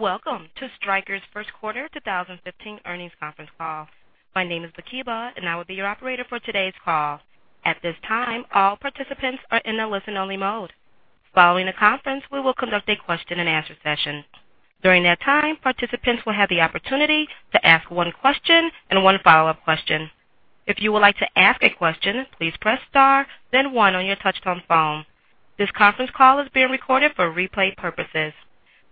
Welcome to Stryker's first quarter 2015 earnings conference call. My name is Makeba, and I will be your operator for today's call. At this time, all participants are in a listen-only mode. Following the conference, we will conduct a question and answer session. During that time, participants will have the opportunity to ask one question and one follow-up question. If you would like to ask a question, please press star then one on your touchtone phone. This conference call is being recorded for replay purposes.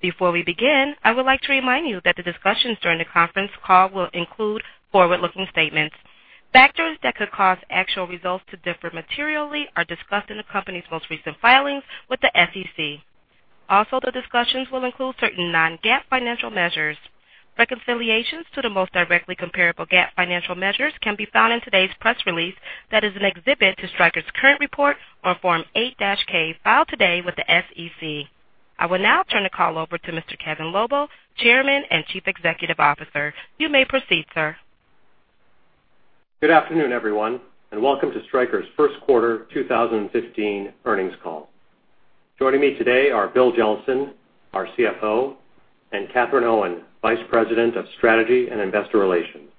Before we begin, I would like to remind you that the discussions during the conference call will include forward-looking statements. Factors that could cause actual results to differ materially are discussed in the company's most recent filings with the SEC. The discussions will include certain non-GAAP financial measures. Reconciliations to the most directly comparable GAAP financial measures can be found in today's press release that is an exhibit to Stryker's current report on Form 8-K filed today with the SEC. I will now turn the call over to Mr. Kevin Lobo, Chairman and Chief Executive Officer. You may proceed, sir. Good afternoon, everyone, and welcome to Stryker's first quarter 2015 earnings call. Joining me today are William Jellison, our CFO, and Katherine Owen, Vice President of Strategy and Investor Relations.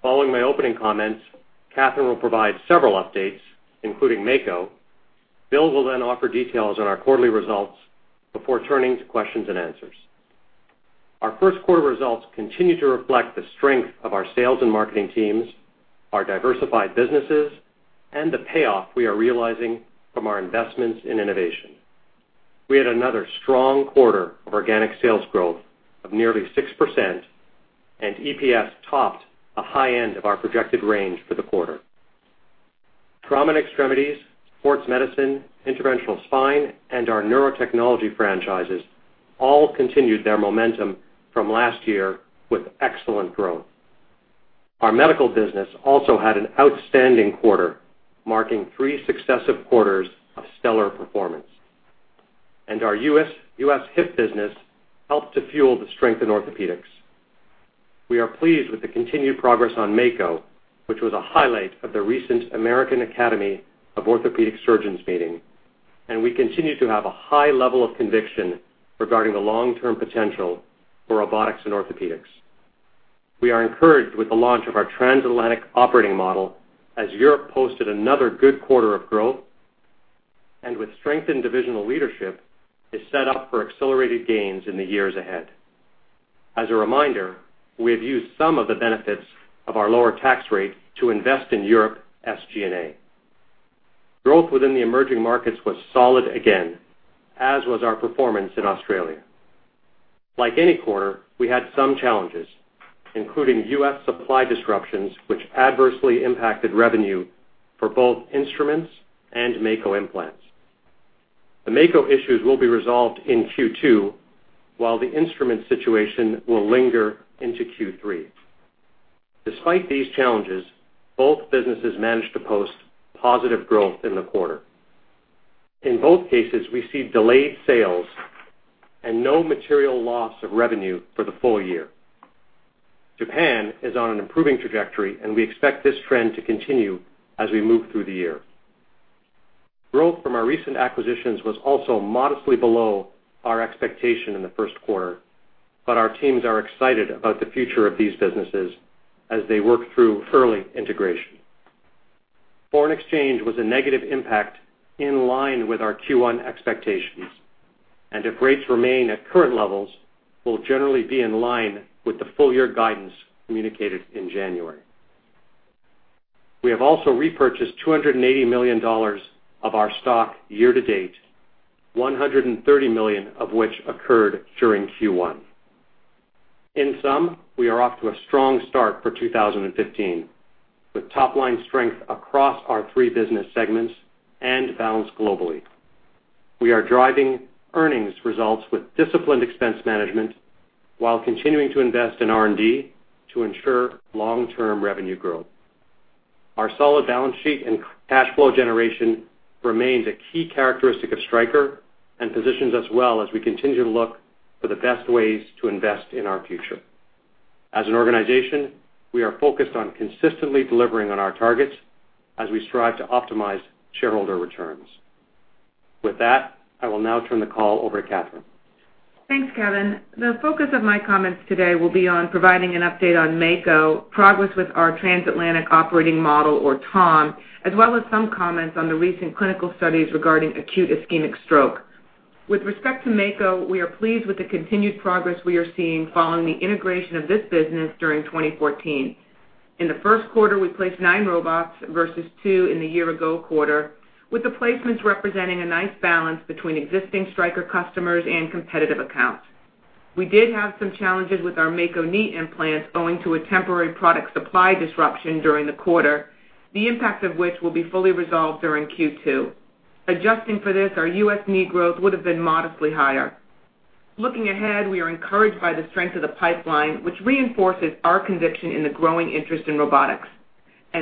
Following my opening comments, Katherine will provide several updates, including Mako. Bill will then offer details on our quarterly results before turning to questions and answers. Our first quarter results continue to reflect the strength of our sales and marketing teams, our diversified businesses, and the payoff we are realizing from our investments in innovation. We had another strong quarter of organic sales growth of nearly 6%, and EPS topped the high end of our projected range for the quarter. Trauma and extremities, sports medicine, interventional spine, and our neurotechnology franchises all continued their momentum from last year with excellent growth. Our medical business also had an outstanding quarter, marking three successive quarters of stellar performance. Our U.S. hip business helped to fuel the strength in Orthopaedics. We are pleased with the continued progress on Mako, which was a highlight of the recent American Academy of Orthopaedic Surgeons meeting, and we continue to have a high level of conviction regarding the long-term potential for robotics and Orthopaedics. We are encouraged with the launch of our transatlantic operating model as Europe posted another good quarter of growth, and with strengthened divisional leadership is set up for accelerated gains in the years ahead. As a reminder, we have used some of the benefits of our lower tax rate to invest in Europe SG&A. Growth within the emerging markets was solid again, as was our performance in Australia. Like any quarter, we had some challenges, including U.S. supply disruptions, which adversely impacted revenue for both instruments and Mako implants. The Mako issues will be resolved in Q2, while the instrument situation will linger into Q3. Despite these challenges, both businesses managed to post positive growth in the quarter. In both cases, we see delayed sales and no material loss of revenue for the full year. Japan is on an improving trajectory, and we expect this trend to continue as we move through the year. Growth from our recent acquisitions was also modestly below our expectation in the first quarter, but our teams are excited about the future of these businesses as they work through early integration. Foreign exchange was a negative impact in line with our Q1 expectations, and if rates remain at current levels, will generally be in line with the full year guidance communicated in January. We have also repurchased $280 million of our stock year to date, $130 million of which occurred during Q1. In sum, we are off to a strong start for 2015, with top-line strength across our three business segments and balanced globally. We are driving earnings results with disciplined expense management while continuing to invest in R&D to ensure long-term revenue growth. Our solid balance sheet and cash flow generation remains a key characteristic of Stryker and positions us well as we continue to look for the best ways to invest in our future. As an organization, we are focused on consistently delivering on our targets as we strive to optimize shareholder returns. With that, I will now turn the call over to Katherine. Thanks, Kevin. The focus of my comments today will be on providing an update on Mako, progress with our transatlantic operating model or TOM, as well as some comments on the recent clinical studies regarding acute ischemic stroke. With respect to Mako, we are pleased with the continued progress we are seeing following the integration of this business during 2014. In the first quarter, we placed nine robots versus two in the year ago quarter, with the placements representing a nice balance between existing Stryker customers and competitive accounts. We did have some challenges with our Mako knee implants owing to a temporary product supply disruption during the quarter, the impact of which will be fully resolved during Q2. Adjusting for this, our U.S. knee growth would have been modestly higher. Looking ahead, we are encouraged by the strength of the pipeline, which reinforces our conviction in the growing interest in robotics.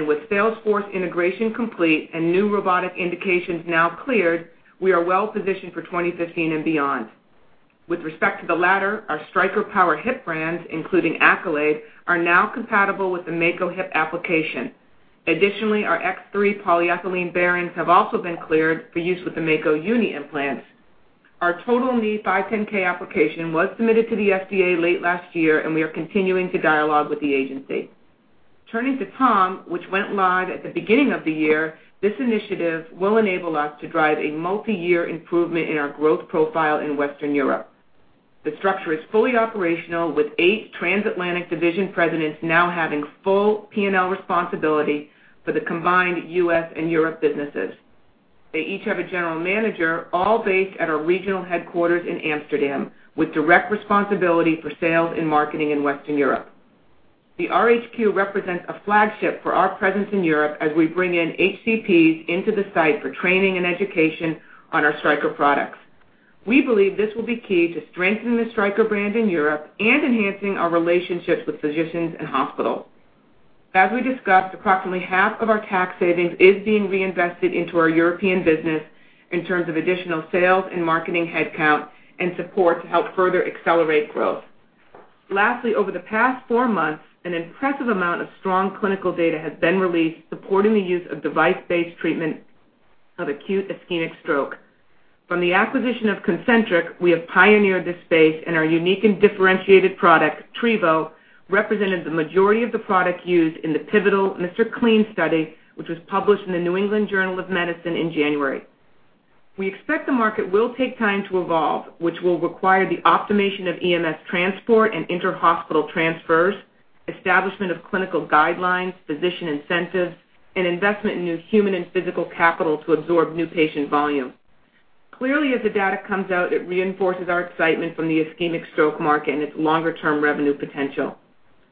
With sales force integration complete and new robotic indications now cleared, we are well positioned for 2015 and beyond. With respect to the latter, our Stryker power hip brands, including Accolade, are now compatible with the Mako hip application. Additionally, our X3 polyethylene bearings have also been cleared for use with the Mako Uni implants. Our total knee 510(k) application was submitted to the FDA late last year, and we are continuing to dialogue with the agency. Turning to TOM, which went live at the beginning of the year, this initiative will enable us to drive a multi-year improvement in our growth profile in Western Europe. The structure is fully operational, with eight transatlantic division presidents now having full P&L responsibility for the combined U.S. and Europe businesses. They each have a general manager, all based at our regional headquarters in Amsterdam, with direct responsibility for sales and marketing in Western Europe. The RHQ represents a flagship for our presence in Europe as we bring in HCPs into the site for training and education on our Stryker products. We believe this will be key to strengthening the Stryker brand in Europe and enhancing our relationships with physicians and hospitals. As we discussed, approximately half of our tax savings is being reinvested into our European business in terms of additional sales and marketing headcount and support to help further accelerate growth. Lastly, over the past four months, an impressive amount of strong clinical data has been released supporting the use of device-based treatment of acute ischemic stroke. From the acquisition of Concentric, we have pioneered this space, our unique and differentiated product, TREVO, represented the majority of the product used in the pivotal MR CLEAN study, which was published in the New England Journal of Medicine in January. We expect the market will take time to evolve, which will require the optimization of EMS transport and inter-hospital transfers, establishment of clinical guidelines, physician incentives, and investment in new human and physical capital to absorb new patient volume. As the data comes out, it reinforces our excitement from the ischemic stroke market and its longer-term revenue potential.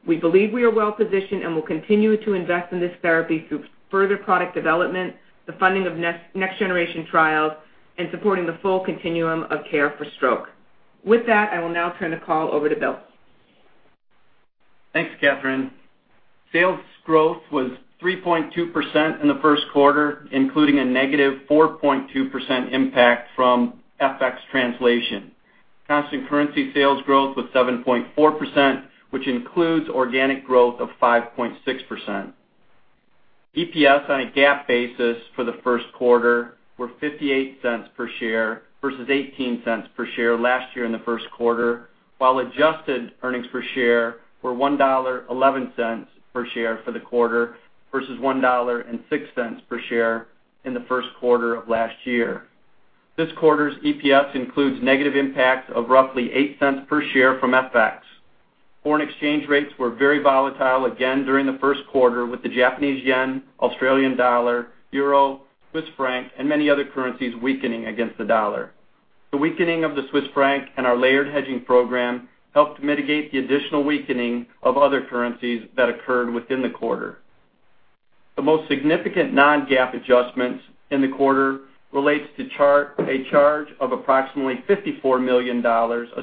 We believe we are well-positioned and will continue to invest in this therapy through further product development, the funding of next-generation trials, and supporting the full continuum of care for stroke. With that, I will now turn the call over to Bill. Thanks, Katherine. Sales growth was 3.2% in the first quarter, including a negative 4.2% impact from FX translation. Constant currency sales growth was 7.4%, which includes organic growth of 5.6%. EPS on a GAAP basis for the first quarter were $0.58 per share versus $0.18 per share last year in the first quarter, while adjusted earnings per share were $1.11 per share for the quarter versus $1.06 per share in the first quarter of last year. This quarter's EPS includes negative impacts of roughly $0.08 per share from FX. Foreign exchange rates were very volatile again during the first quarter, with the Japanese yen, Australian dollar, euro, Swiss franc, and many other currencies weakening against the dollar. The weakening of the Swiss franc and our layered hedging program helped mitigate the additional weakening of other currencies that occurred within the quarter. The most significant non-GAAP adjustments in the quarter relates to a charge of approximately $54 million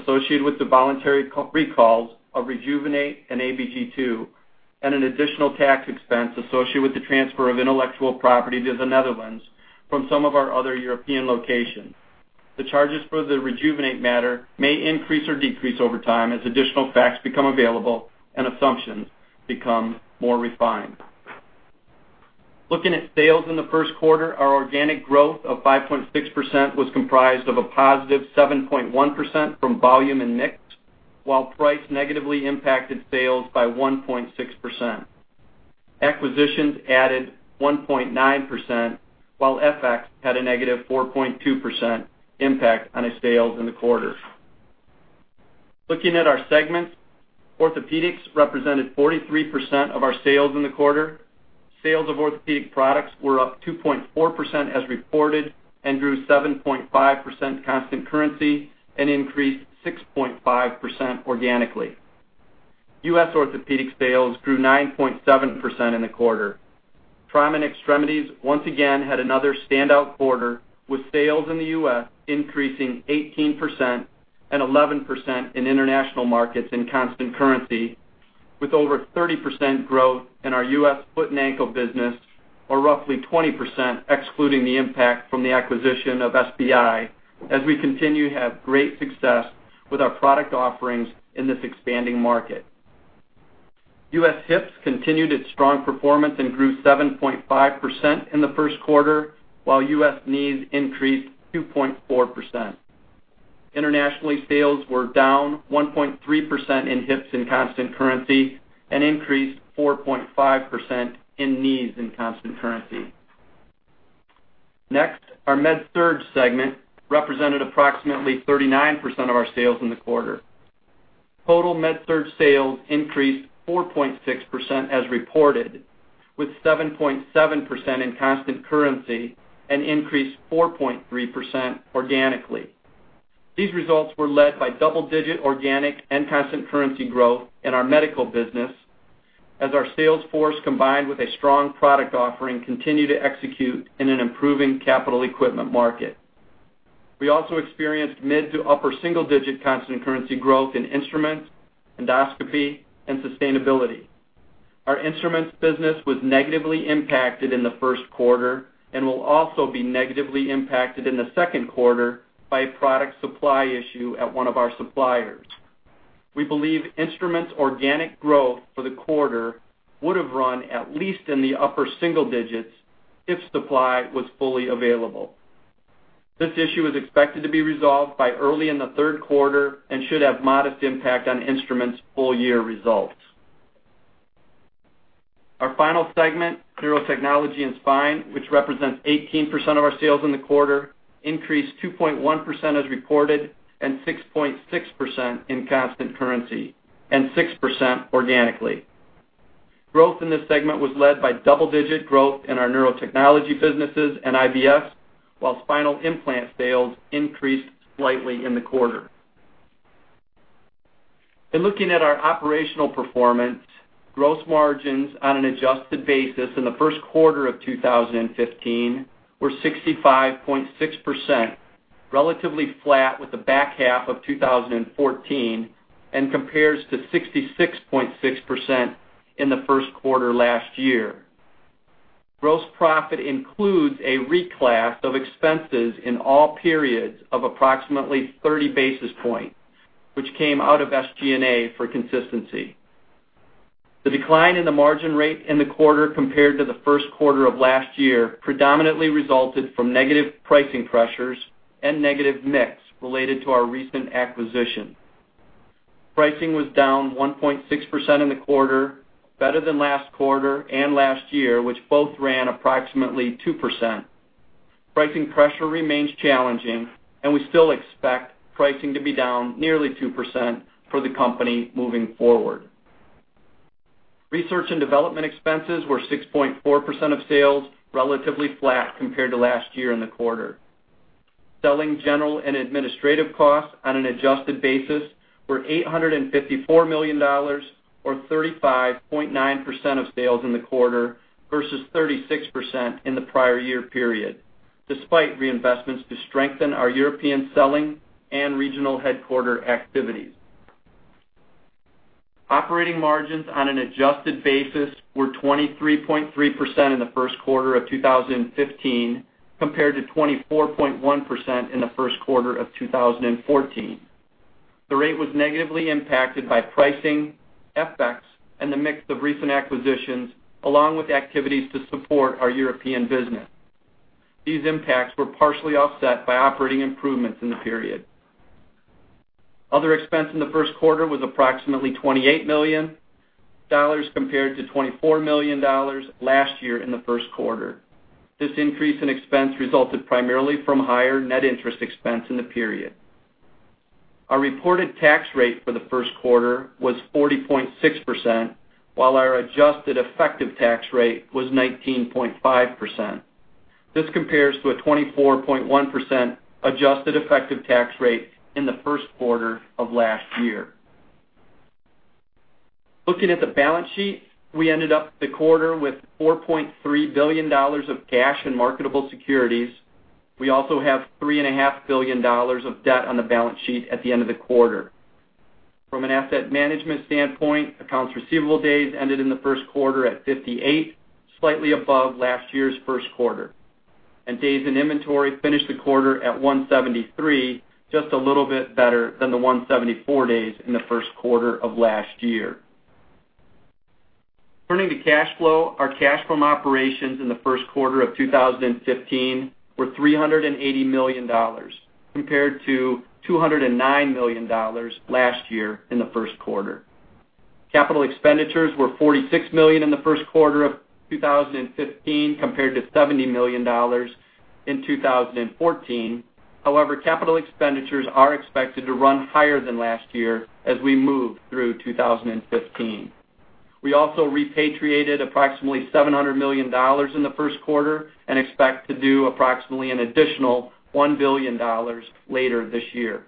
associated with the voluntary recalls of Rejuvenate and ABG II, an additional tax expense associated with the transfer of intellectual property to the Netherlands from some of our other European locations. The charges for the Rejuvenate matter may increase or decrease over time as additional facts become available and assumptions become more refined. Looking at sales in the first quarter, our organic growth of 5.6% was comprised of a positive 7.1% from volume and mix, while price negatively impacted sales by 1.6%. Acquisitions added 1.9%, while FX had a negative 4.2% impact on the sales in the quarter. Looking at our segments, Orthopaedics represented 43% of our sales in the quarter. Sales of Orthopaedics products were up 2.4% as reported and grew 7.5% constant currency and increased 6.5% organically. U.S. Orthopaedics sales grew 9.7% in the quarter. Trauma and Extremities once again had another standout quarter, with sales in the U.S. increasing 18% and 11% in international markets in constant currency, with over 30% growth in our U.S. foot and ankle business, or roughly 20% excluding the impact from the acquisition of SBI, as we continue to have great success with our product offerings in this expanding market. U.S. hips continued its strong performance and grew 7.5% in the first quarter, while U.S. knees increased 2.4%. Internationally, sales were down 1.3% in hips in constant currency and increased 4.5% in knees in constant currency. Our MedSurg segment represented approximately 39% of our sales in the quarter. Total MedSurg sales increased 4.6% as reported, with 7.7% in constant currency and increased 4.3% organically. These results were led by double-digit organic and constant currency growth in our medical business as our sales force, combined with a strong product offering, continued to execute in an improving capital equipment market. We also experienced mid- to upper single-digit constant currency growth in instruments, endoscopy, and sustainability. Our instruments business was negatively impacted in the first quarter and will also be negatively impacted in the second quarter by a product supply issue at one of our suppliers. We believe instruments organic growth for the quarter would have run at least in the upper single digits if supply was fully available. This issue is expected to be resolved by early in the third quarter and should have modest impact on instruments full year results. Our final segment, Neurotechnology and Spine, which represents 18% of our sales in the quarter, increased 2.1% as reported and 6.6% in constant currency and 6% organically. Growth in this segment was led by double-digit growth in our Neurotechnology businesses and IVS, while spinal implant sales increased slightly in the quarter. In looking at our operational performance, gross margins on an adjusted basis in the first quarter of 2015 were 65.6%, relatively flat with the back half of 2014, and compares to 66.6% in the first quarter last year. Gross profit includes a reclass of expenses in all periods of approximately 30 basis points, which came out of SG&A for consistency. The decline in the margin rate in the quarter compared to the first quarter of last year predominantly resulted from negative pricing pressures and negative mix related to our recent acquisition. Pricing was down 1.6% in the quarter, better than last quarter and last year, which both ran approximately 2%. Pricing pressure remains challenging, and we still expect pricing to be down nearly 2% for the company moving forward. Research and development expenses were 6.4% of sales, relatively flat compared to last year in the quarter. Selling general and administrative costs on an adjusted basis were $854 million or 35.9% of sales in the quarter versus 36% in the prior year period, despite reinvestments to strengthen our European selling and regional headquarter activities. Operating margins on an adjusted basis were 23.3% in the first quarter of 2015, compared to 24.1% in the first quarter of 2014. The rate was negatively impacted by pricing, FX, and the mix of recent acquisitions, along with activities to support our European business. These impacts were partially offset by operating improvements in the period. Other expense in the first quarter was approximately $28 million compared to $24 million last year in the first quarter. This increase in expense resulted primarily from higher net interest expense in the period. Our reported tax rate for the first quarter was 40.6%, while our adjusted effective tax rate was 19.5%. This compares to a 24.1% adjusted effective tax rate in the first quarter of last year. Looking at the balance sheet, we ended up the quarter with $4.3 billion of cash and marketable securities. We also have $3.5 billion of debt on the balance sheet at the end of the quarter. From an asset management standpoint, accounts receivable days ended in the first quarter at 58, slightly above last year's first quarter. Days in inventory finished the quarter at 173, just a little bit better than the 174 days in the first quarter of last year. Turning to cash flow, our cash from operations in the first quarter of 2015 were $380 million, compared to $209 million last year in the first quarter. Capital expenditures were $46 million in the first quarter of 2015, compared to $70 million in 2014. However, capital expenditures are expected to run higher than last year as we move through 2015. We also repatriated approximately $700 million in the first quarter and expect to do approximately an additional $1 billion later this year.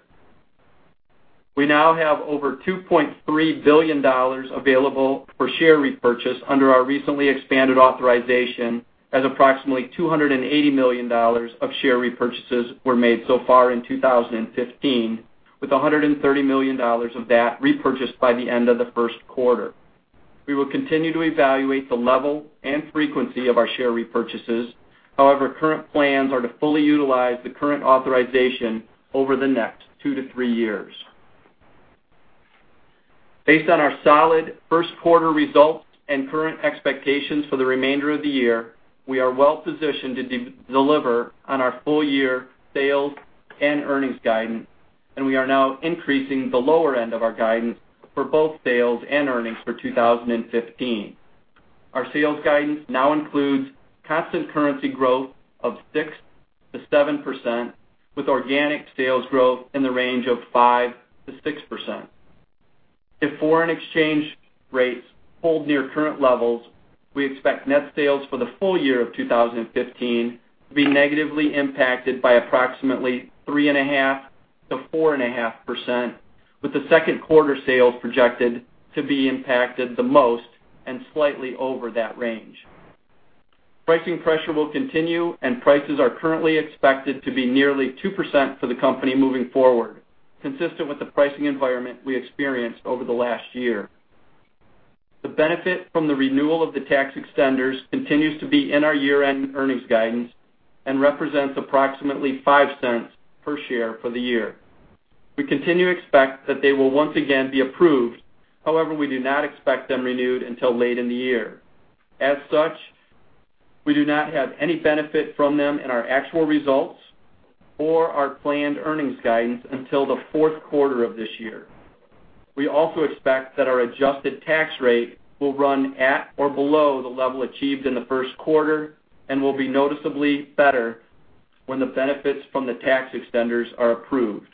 We now have over $2.3 billion available for share repurchase under our recently expanded authorization, as approximately $280 million of share repurchases were made so far in 2015, with $130 million of that repurchased by the end of the first quarter. We will continue to evaluate the level and frequency of our share repurchases. However, current plans are to fully utilize the current authorization over the next two to three years. Based on our solid first quarter results and current expectations for the remainder of the year, we are well positioned to deliver on our full year sales and earnings guidance, and we are now increasing the lower end of our guidance for both sales and earnings for 2015. Our sales guidance now includes constant currency growth of 6%-7%, with organic sales growth in the range of 5%-6%. If foreign exchange rates hold near current levels, we expect net sales for the full year of 2015 to be negatively impacted by approximately 3.5%-4.5%, with the second quarter sales projected to be impacted the most and slightly over that range. Pricing pressure will continue. Prices are currently expected to be nearly 2% for the company moving forward, consistent with the pricing environment we experienced over the last year. The benefit from the renewal of the tax extenders continues to be in our year-end earnings guidance and represents approximately $0.05 per share for the year. We continue to expect that they will once again be approved. However, we do not expect them renewed until late in the year. As such, we do not have any benefit from them in our actual results or our planned earnings guidance until the fourth quarter of this year. We also expect that our adjusted tax rate will run at or below the level achieved in the first quarter and will be noticeably better when the benefits from the tax extenders are approved.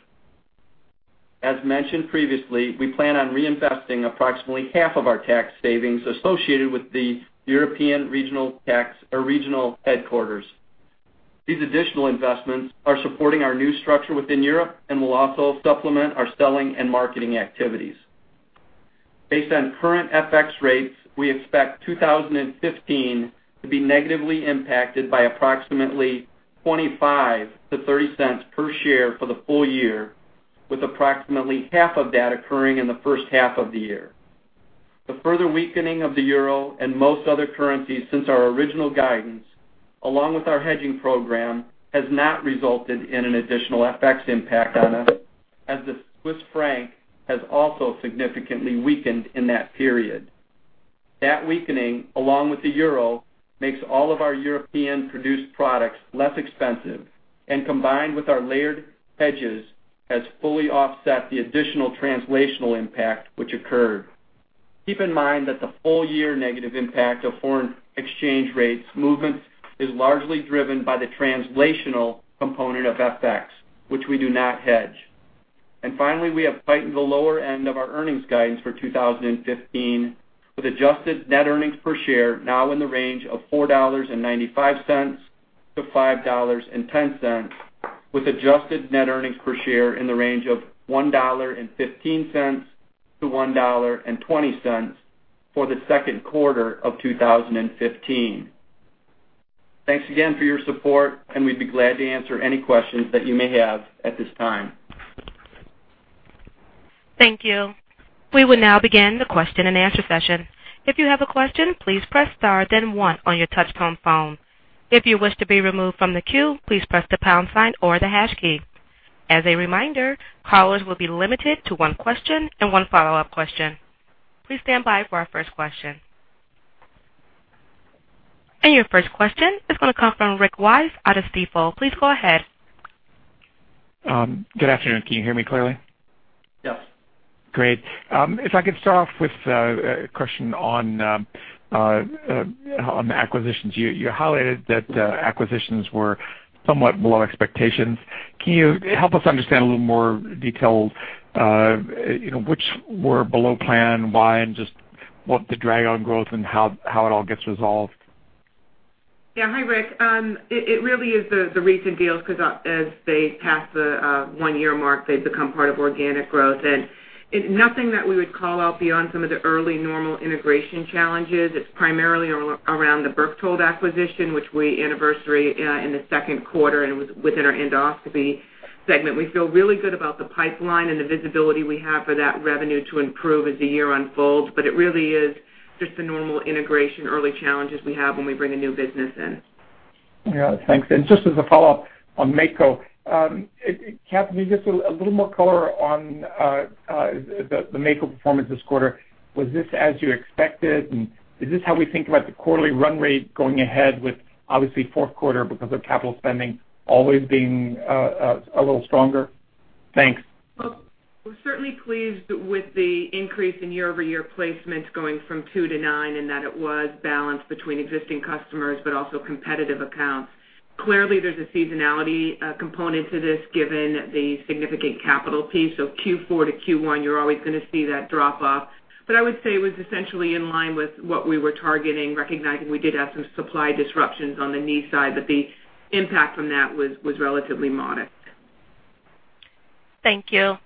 As mentioned previously, we plan on reinvesting approximately half of our tax savings associated with the European regional headquarters. These additional investments are supporting our new structure within Europe and will also supplement our selling and marketing activities. Based on current FX rates, we expect 2015 to be negatively impacted by approximately $0.25-$0.30 per share for the full year, with approximately half of that occurring in the first half of the year. The further weakening of the euro and most other currencies since our original guidance, along with our hedging program, has not resulted in an additional FX impact on us, as the Swiss franc has also significantly weakened in that period. That weakening, along with the euro, makes all of our European-produced products less expensive, and combined with our layered hedges, has fully offset the additional translational impact which occurred. Keep in mind that the full-year negative impact of foreign exchange rates movement is largely driven by the translational component of FX, which we do not hedge. Finally, we have tightened the lower end of our earnings guidance for 2015, with adjusted net earnings per share now in the range of $4.95-$5.10, with adjusted net earnings per share in the range of $1.15-$1.20 for the second quarter of 2015. Thanks again for your support, and we'd be glad to answer any questions that you may have at this time. Thank you. We will now begin the question-and-answer session. If you have a question, please press star then one on your touchtone phone. If you wish to be removed from the queue, please press the pound sign or the hash key. As a reminder, callers will be limited to one question and one follow-up question. Please stand by for our first question. Your first question is going to come from Rick Wise out of Stifel. Please go ahead. Good afternoon. Can you hear me clearly? Yes. Great. If I could start off with a question on the acquisitions. You highlighted that acquisitions were somewhat below expectations. Can you help us understand a little more detail, which were below plan, why, and just what the drag on growth and how it all gets resolved? Yeah. Hi, Rick. It really is the recent deals, because as they pass the one-year mark, they become part of organic growth. Nothing that we would call out beyond some of the early normal integration challenges. It's primarily around the Berchtold acquisition, which we anniversary in the second quarter and was within our endoscopy segment. We feel really good about the pipeline and the visibility we have for that revenue to improve as the year unfolds. It really is just the normal integration early challenges we have when we bring a new business in. Yeah. Thanks. Just as a follow-up on Mako. Kathy, can you give us a little more color on the Mako performance this quarter? Was this as you expected? Is this how we think about the quarterly run rate going ahead with, obviously, fourth quarter because of capital spending always being a little stronger? Thanks. Well, we're certainly pleased with the increase in year-over-year placements going from two to nine and that it was balanced between existing customers but also competitive accounts. Clearly, there's a seasonality component to this given the significant capital piece. Q4 to Q1, you're always going to see that drop-off. I would say it was essentially in line with what we were targeting, recognizing we did have some supply disruptions on the knee side, but the impact from that was relatively modest. Thank you.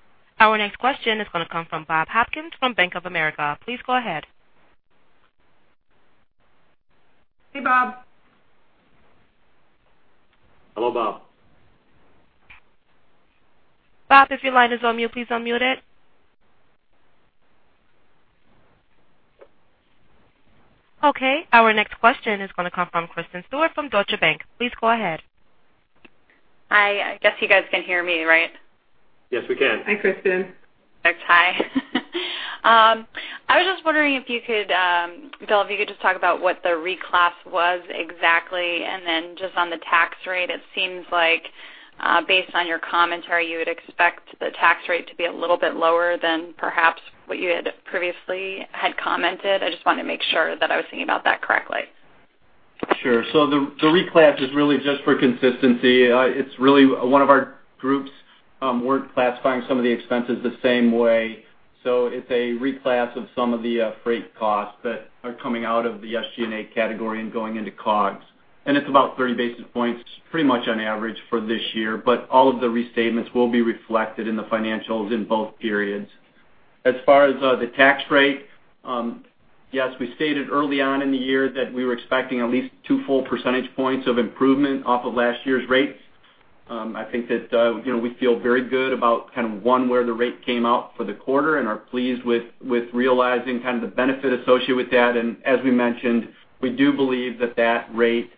Our next question is going to come from Bob Hopkins from Bank of America. Please go ahead. Hey, Bob. Hello, Bob. Bob, if your line is on mute, please unmute it. Okay, our next question is going to come from Kristen Stewart from Deutsche Bank. Please go ahead. Hi. I guess you guys can hear me right? Yes, we can. Hi, Kristen. Hi. I was just wondering if you could, Bill, if you could just talk about what the reclass was exactly, and then just on the tax rate, it seems like based on your commentary, you would expect the tax rate to be a little bit lower than perhaps what you had previously had commented. I just want to make sure that I was thinking about that correctly. Sure. The reclass is really just for consistency. It's really one of our groups weren't classifying some of the expenses the same way. It's a reclass of some of the freight costs that are coming out of the SG&A category and going into COGS. It's about 30 basis points, pretty much on average for this year, but all of the restatements will be reflected in the financials in both periods. As far as the tax rate, yes, we stated early on in the year that we were expecting at least two full percentage points of improvement off of last year's rate. I think that we feel very good about kind of one, where the rate came out for the quarter and are pleased with realizing the benefit associated with that. As we mentioned, we do believe that that rate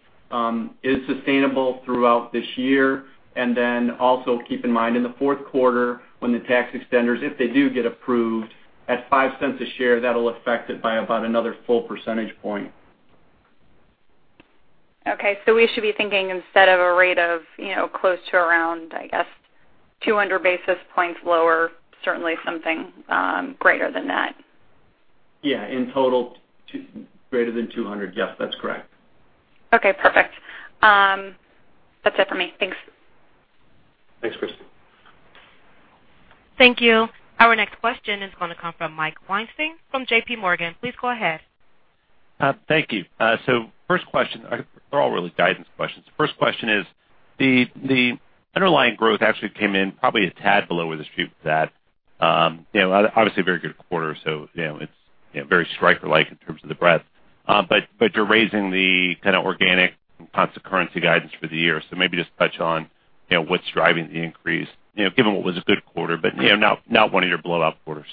is sustainable throughout this year. Also keep in mind, in the fourth quarter, when the tax extenders, if they do get approved, at $0.05 a share, that'll affect it by about another full percentage point. Okay. We should be thinking instead of a rate of close to around, I guess, 200 basis points lower, certainly something greater than that. Yeah. In total, greater than 200. Yes, that's correct. Okay, perfect. That's it for me. Thanks. Thanks, Kristen. Thank you. Our next question is going to come from Mike Weinstein from JP Morgan. Please go ahead. Thank you. First question, they're all really guidance questions. First question is, the underlying growth actually came in probably a tad below where the street was at. Obviously a very good quarter, it's very Stryker-like in terms of the breadth. You're raising the kind of organic and constant currency guidance for the year. Maybe just touch on what's driving the increase, given what was a good quarter, but not one of your blowout quarters.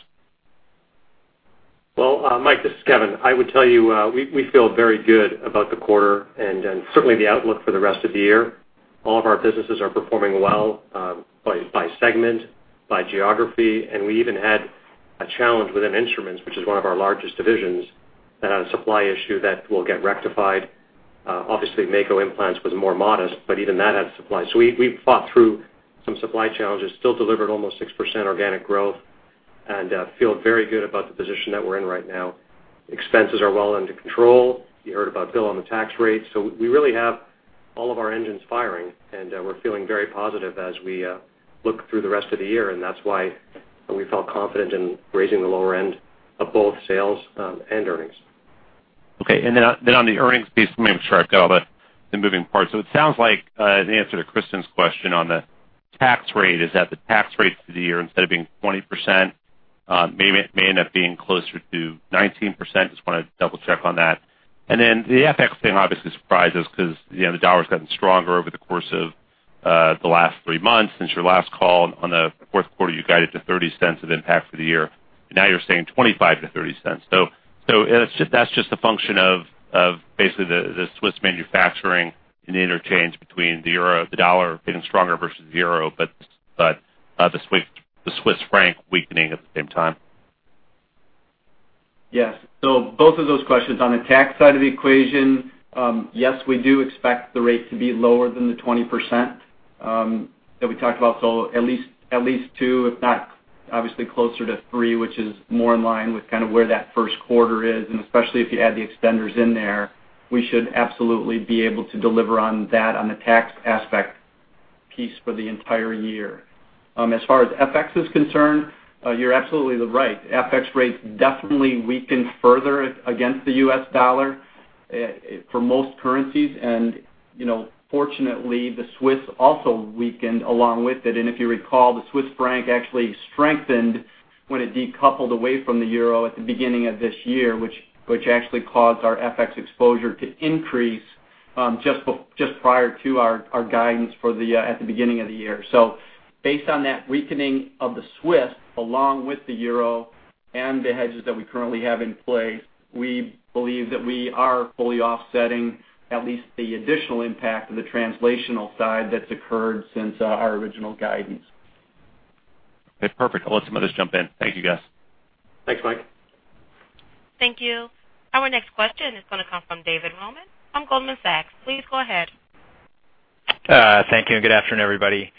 Well, Mike, this is Kevin. I would tell you, we feel very good about the quarter and certainly the outlook for the rest of the year. All of our businesses are performing well by segment, by geography, and we even had a challenge within Instruments, which is one of our largest divisions, that had a supply issue that will get rectified. Obviously, Mako Implants was more modest, but even that had supply. We fought through some supply challenges, still delivered almost 6% organic growth, and feel very good about the position that we're in right now. Expenses are well under control. You heard about Bill on the tax rate. We really have all of our engines firing, and we're feeling very positive as we look through the rest of the year, and that's why we felt confident in raising the lower end of both sales and earnings. Okay. On the earnings piece, maybe to try to go over the moving parts. It sounds like the answer to Kristen's question on the tax rate is that the tax rate for the year, instead of being 20%, may end up being closer to 19%. Just want to double check on that. The FX thing obviously surprises because the dollar's gotten stronger over the course of the last three months since your last call on the fourth quarter, you guided to $0.30 of impact for the year. Now you're saying $0.25-$0.30. That's just a function of basically the Swiss manufacturing and the interchange between the euro, the dollar getting stronger versus the euro, but the Swiss franc weakening at the same time. Yes. Both of those questions, on the tax side of the equation, yes, we do expect the rate to be lower than the 20% that we talked about. At least two, if not obviously closer to three, which is more in line with kind of where that first quarter is, and especially if you add the extenders in there, we should absolutely be able to deliver on that on the tax aspect piece for the entire year. As far as FX is concerned, you're absolutely right. FX rates definitely weakened further against the U.S. dollar for most currencies. Fortunately, the Swiss also weakened along with it. If you recall, the Swiss franc actually strengthened when it decoupled away from the euro at the beginning of this year, which actually caused our FX exposure to increase just prior to our guidance at the beginning of the year. Based on that weakening of the Swiss, along with the euro and the hedges that we currently have in place, we believe that we are fully offsetting at least the additional impact of the translational side that's occurred since our original guidance. Okay, perfect. I'll let somebody else jump in. Thank you, guys. Thanks, Mike. Thank you. Our next question is going to come from David Roman from Goldman Sachs. Please go ahead. Thank you. Good afternoon, everybody.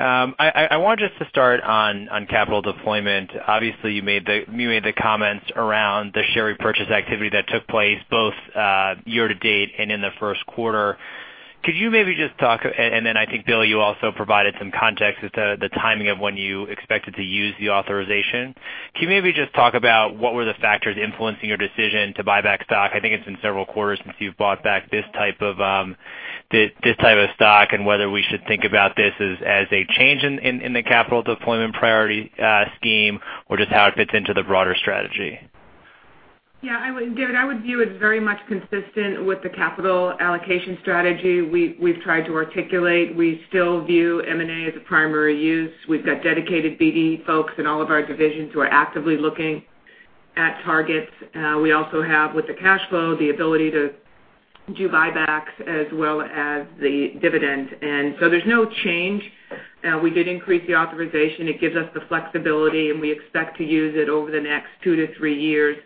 I want just to start on capital deployment. Obviously, you made the comments around the share repurchase activity that took place both year-to-date and in the first quarter. Could you maybe just talk, then I think, Bill, you also provided some context as to the timing of when you expected to use the authorization. Can you maybe just talk about what were the factors influencing your decision to buy back stock? I think it's been several quarters since you've bought back this type of stock and whether we should think about this as a change in the capital deployment priority scheme or just how it fits into the broader strategy. Yeah, David, I would view it very much consistent with the capital allocation strategy we've tried to articulate. We still view M&A as a primary use. We've got dedicated BD folks in all of our divisions who are actively looking at targets. We also have, with the cash flow, the ability to do buybacks as well as the dividend. There's no change. We did increase the authorization. It gives us the flexibility, and we expect to use it over the next two to three years.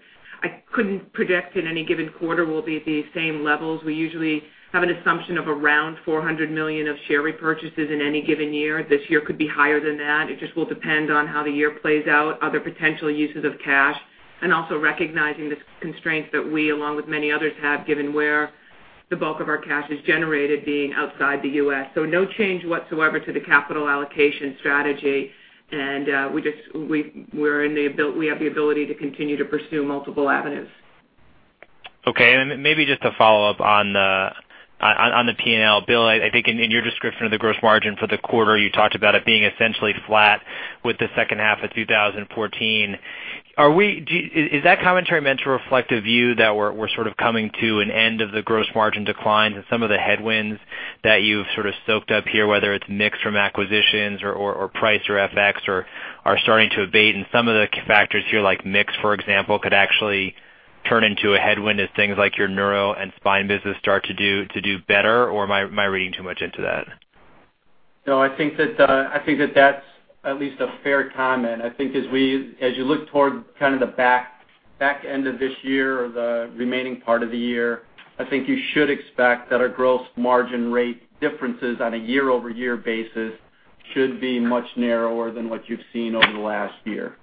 I couldn't predict in any given quarter we'll be at the same levels. We usually have an assumption of around $400 million of share repurchases in any given year. This year could be higher than that. It just will depend on how the year plays out, other potential uses of cash, and also recognizing the constraints that we, along with many others, have given where the bulk of our cash is generated being outside the U.S. No change whatsoever to the capital allocation strategy. We have the ability to continue to pursue multiple avenues. Okay. Maybe just to follow up on the P&L. Bill, I think in your description of the gross margin for the quarter, you talked about it being essentially flat with the second half of 2014. Is that commentary meant to reflect a view that we're coming to an end of the gross margin declines and some of the headwinds that you've soaked up here, whether it's mix from acquisitions or price or FX, are starting to abate, and some of the factors here, like mix, for example, could actually turn into a headwind as things like your Neurotechnology and Spine business start to do better? Or am I reading too much into that? No, I think that's at least a fair comment. I think as you look toward the back end of this year or the remaining part of the year, I think you should expect that our gross margin rate differences on a year-over-year basis should be much narrower than what you've seen over the last year.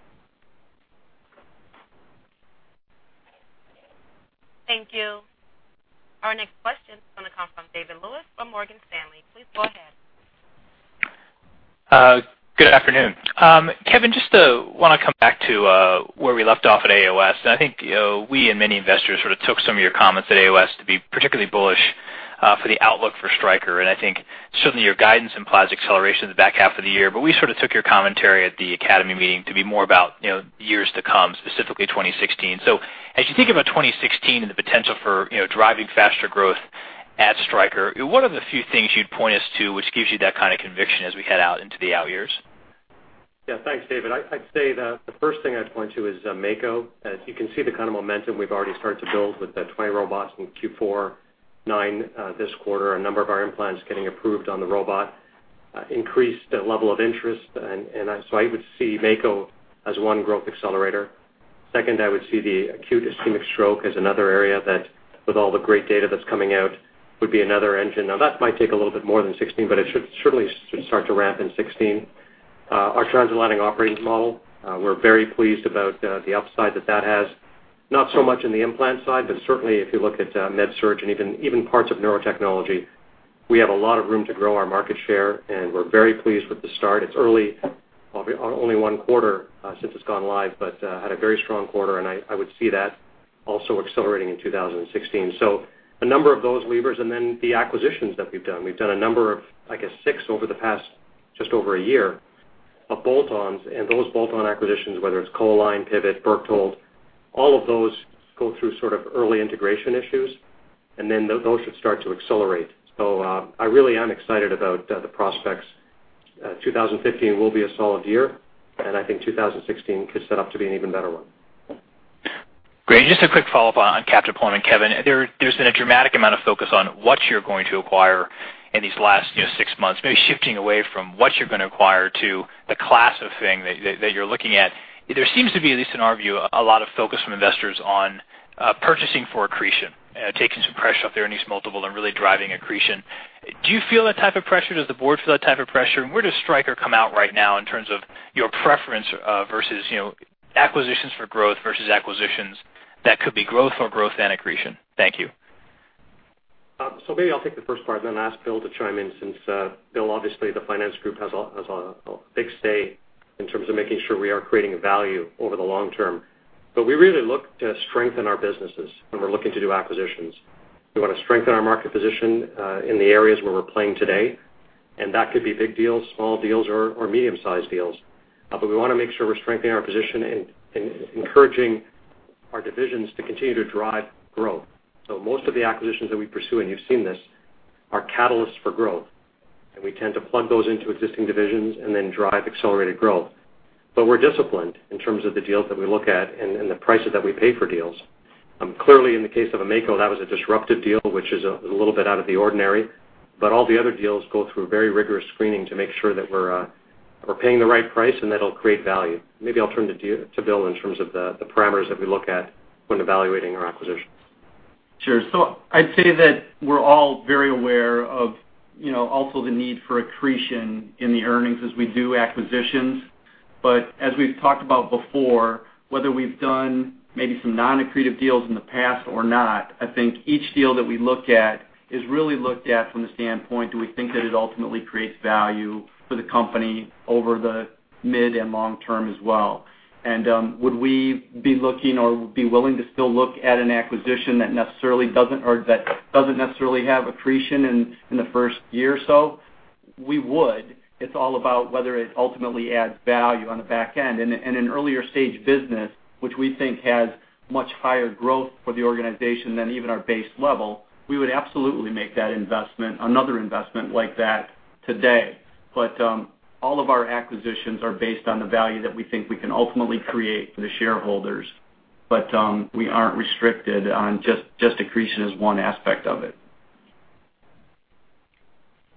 Thank you. Our next question is going to come from David Lewis from Morgan Stanley. Please go ahead. Good afternoon. Kevin, just want to come back to where we left off at AAOS. I think we and many investors sort of took some of your comments at AAOS to be particularly bullish for the outlook for Stryker, and I think certainly your guidance implies acceleration in the back half of the year. We sort of took your commentary at the academy meeting to be more about years to come, specifically 2016. As you think about 2016 and the potential for driving faster growth at Stryker, what are the few things you'd point us to which gives you that kind of conviction as we head out into the out years? Yeah, thanks, David. I'd say the first thing I'd point to is MAKO. As you can see the kind of momentum we've already started to build with the 20 robots in Q4, nine this quarter, a number of our implants getting approved on the robot, increased level of interest. I would see MAKO as one growth accelerator. Second, I would see the acute ischemic stroke as another area that, with all the great data that's coming out, would be another engine. That might take a little bit more than 2016, but it should certainly start to ramp in 2016. Our transatlantic operating model, we're very pleased about the upside that that has. Not so much in the implant side, but certainly if you look at MedSurg and even parts of Neurotechnology. We have a lot of room to grow our market share, and we're very pleased with the start. It's early, only one quarter since it's gone live, but had a very strong quarter, and I would see that also accelerating in 2016. A number of those levers and then the acquisitions that we've done. We've done a number of, I guess, six over the past just over a year of bolt-ons, and those bolt-on acquisitions, whether it's Concentric, Pivot, Berchtold, all of those go through sort of early integration issues, and then those should start to accelerate. I really am excited about the prospects. 2015 will be a solid year, and I think 2016 could set up to be an even better one. Just a quick follow-up on cap deployment, Kevin. There's been a dramatic amount of focus on what you're going to acquire in these last six months. Maybe shifting away from what you're going to acquire to the class of thing that you're looking at. There seems to be, at least in our view, a lot of focus from investors on purchasing for accretion, taking some pressure off their earnings multiple and really driving accretion. Do you feel that type of pressure? Does the board feel that type of pressure? Where does Stryker come out right now in terms of your preference versus acquisitions for growth versus acquisitions that could be growth or growth and accretion? Thank you. Maybe I'll take the first part ask Bill to chime in, since Bill, obviously, the finance group has a big say in terms of making sure we are creating value over the long term. We really look to strengthen our businesses when we're looking to do acquisitions. We want to strengthen our market position in the areas where we're playing today, and that could be big deals, small deals, or medium-sized deals. We want to make sure we're strengthening our position and encouraging our divisions to continue to drive growth. Most of the acquisitions that we pursue, and you've seen this, are catalysts for growth, and we tend to plug those into existing divisions and then drive accelerated growth. We're disciplined in terms of the deals that we look at and the prices that we pay for deals. Clearly, in the case of a Mako, that was a disruptive deal, which is a little bit out of the ordinary. All the other deals go through a very rigorous screening to make sure that we're paying the right price and that it'll create value. Maybe I'll turn to Bill in terms of the parameters that we look at when evaluating our acquisitions.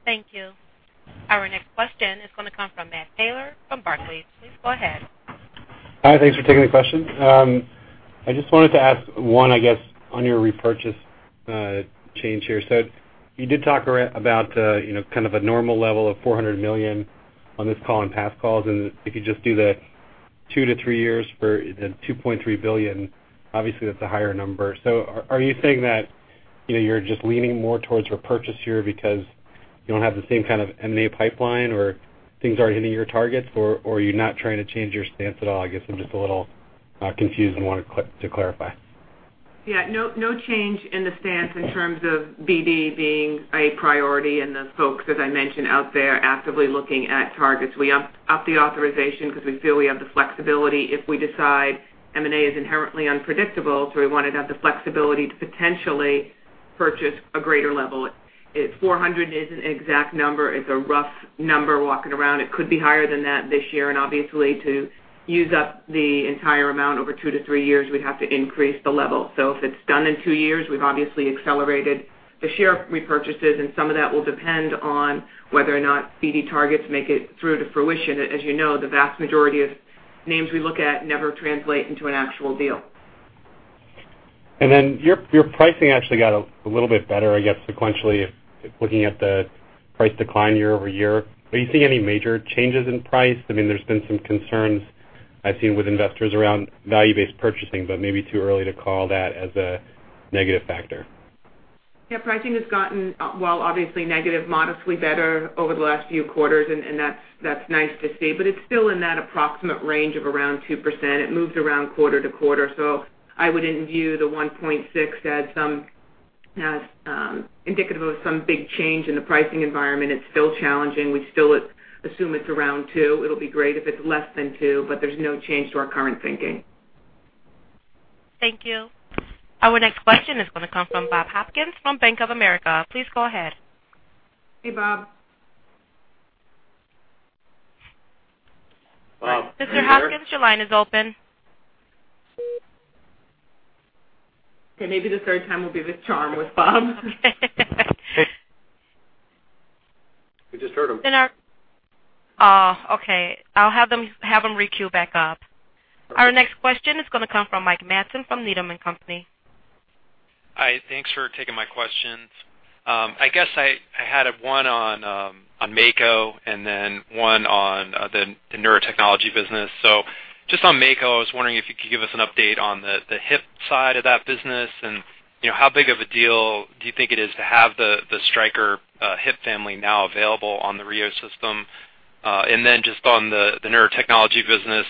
Thank you. Our next question is going to come from Matthew Taylor from Barclays. Please go ahead. Hi, thanks for taking the question. I just wanted to ask one, I guess, on your repurchase change here. You did talk about kind of a normal level of $400 million on this call and past calls, and if you just do the two to three years for the $2.3 billion, obviously that's a higher number. Are you saying that you're just leaning more towards repurchase here because you don't have the same kind of M&A pipeline or things aren't hitting your targets, or are you not trying to change your stance at all? I guess I'm just a little confused and wanted to clarify. Yeah. No change in the stance in terms of BD being a priority and the folks, as I mentioned, out there actively looking at targets. We upped the authorization because we feel we have the flexibility if we decide M&A is inherently unpredictable, so we wanted to have the flexibility to potentially purchase a greater level. 400 isn't an exact number. It's a rough number walking around. It could be higher than that this year and obviously to use up the entire amount over two to three years, we'd have to increase the level. If it's done in two years, we've obviously accelerated the share repurchases, and some of that will depend on whether or not BD targets make it through to fruition. As you know, the vast majority of names we look at never translate into an actual deal. Your pricing actually got a little bit better, I guess, sequentially, if looking at the price decline year-over-year. Are you seeing any major changes in price? There's been some concerns I've seen with investors around value-based purchasing, but maybe too early to call that as a negative factor. Yeah, pricing has gotten, while obviously negative, modestly better over the last few quarters and that's nice to see, but it's still in that approximate range of around 2%. It moves around quarter-to-quarter, so I wouldn't view the 1.6 as indicative of some big change in the pricing environment. It's still challenging. We still assume it's around 2%. It'll be great if it's less than 2%, but there's no change to our current thinking. Thank you. Our next question is going to come from Bob Hopkins from Bank of America. Please go ahead. Hey, Bob. Mr. Hopkins, your line is open. Okay, maybe the third time will be the charm with Bob. We just heard him. Oh, okay. I'll have them re-queue back up. Our next question is going to come from Mike Matson from Needham & Company. Hi. Thanks for taking my questions. I guess I had one on Mako and then one on the neurotechnology business. Just on Mako, I was wondering if you could give us an update on the hip side of that business, and how big of a deal do you think it is to have the Stryker hip family now available on the RIO system? Then just on the neurotechnology business,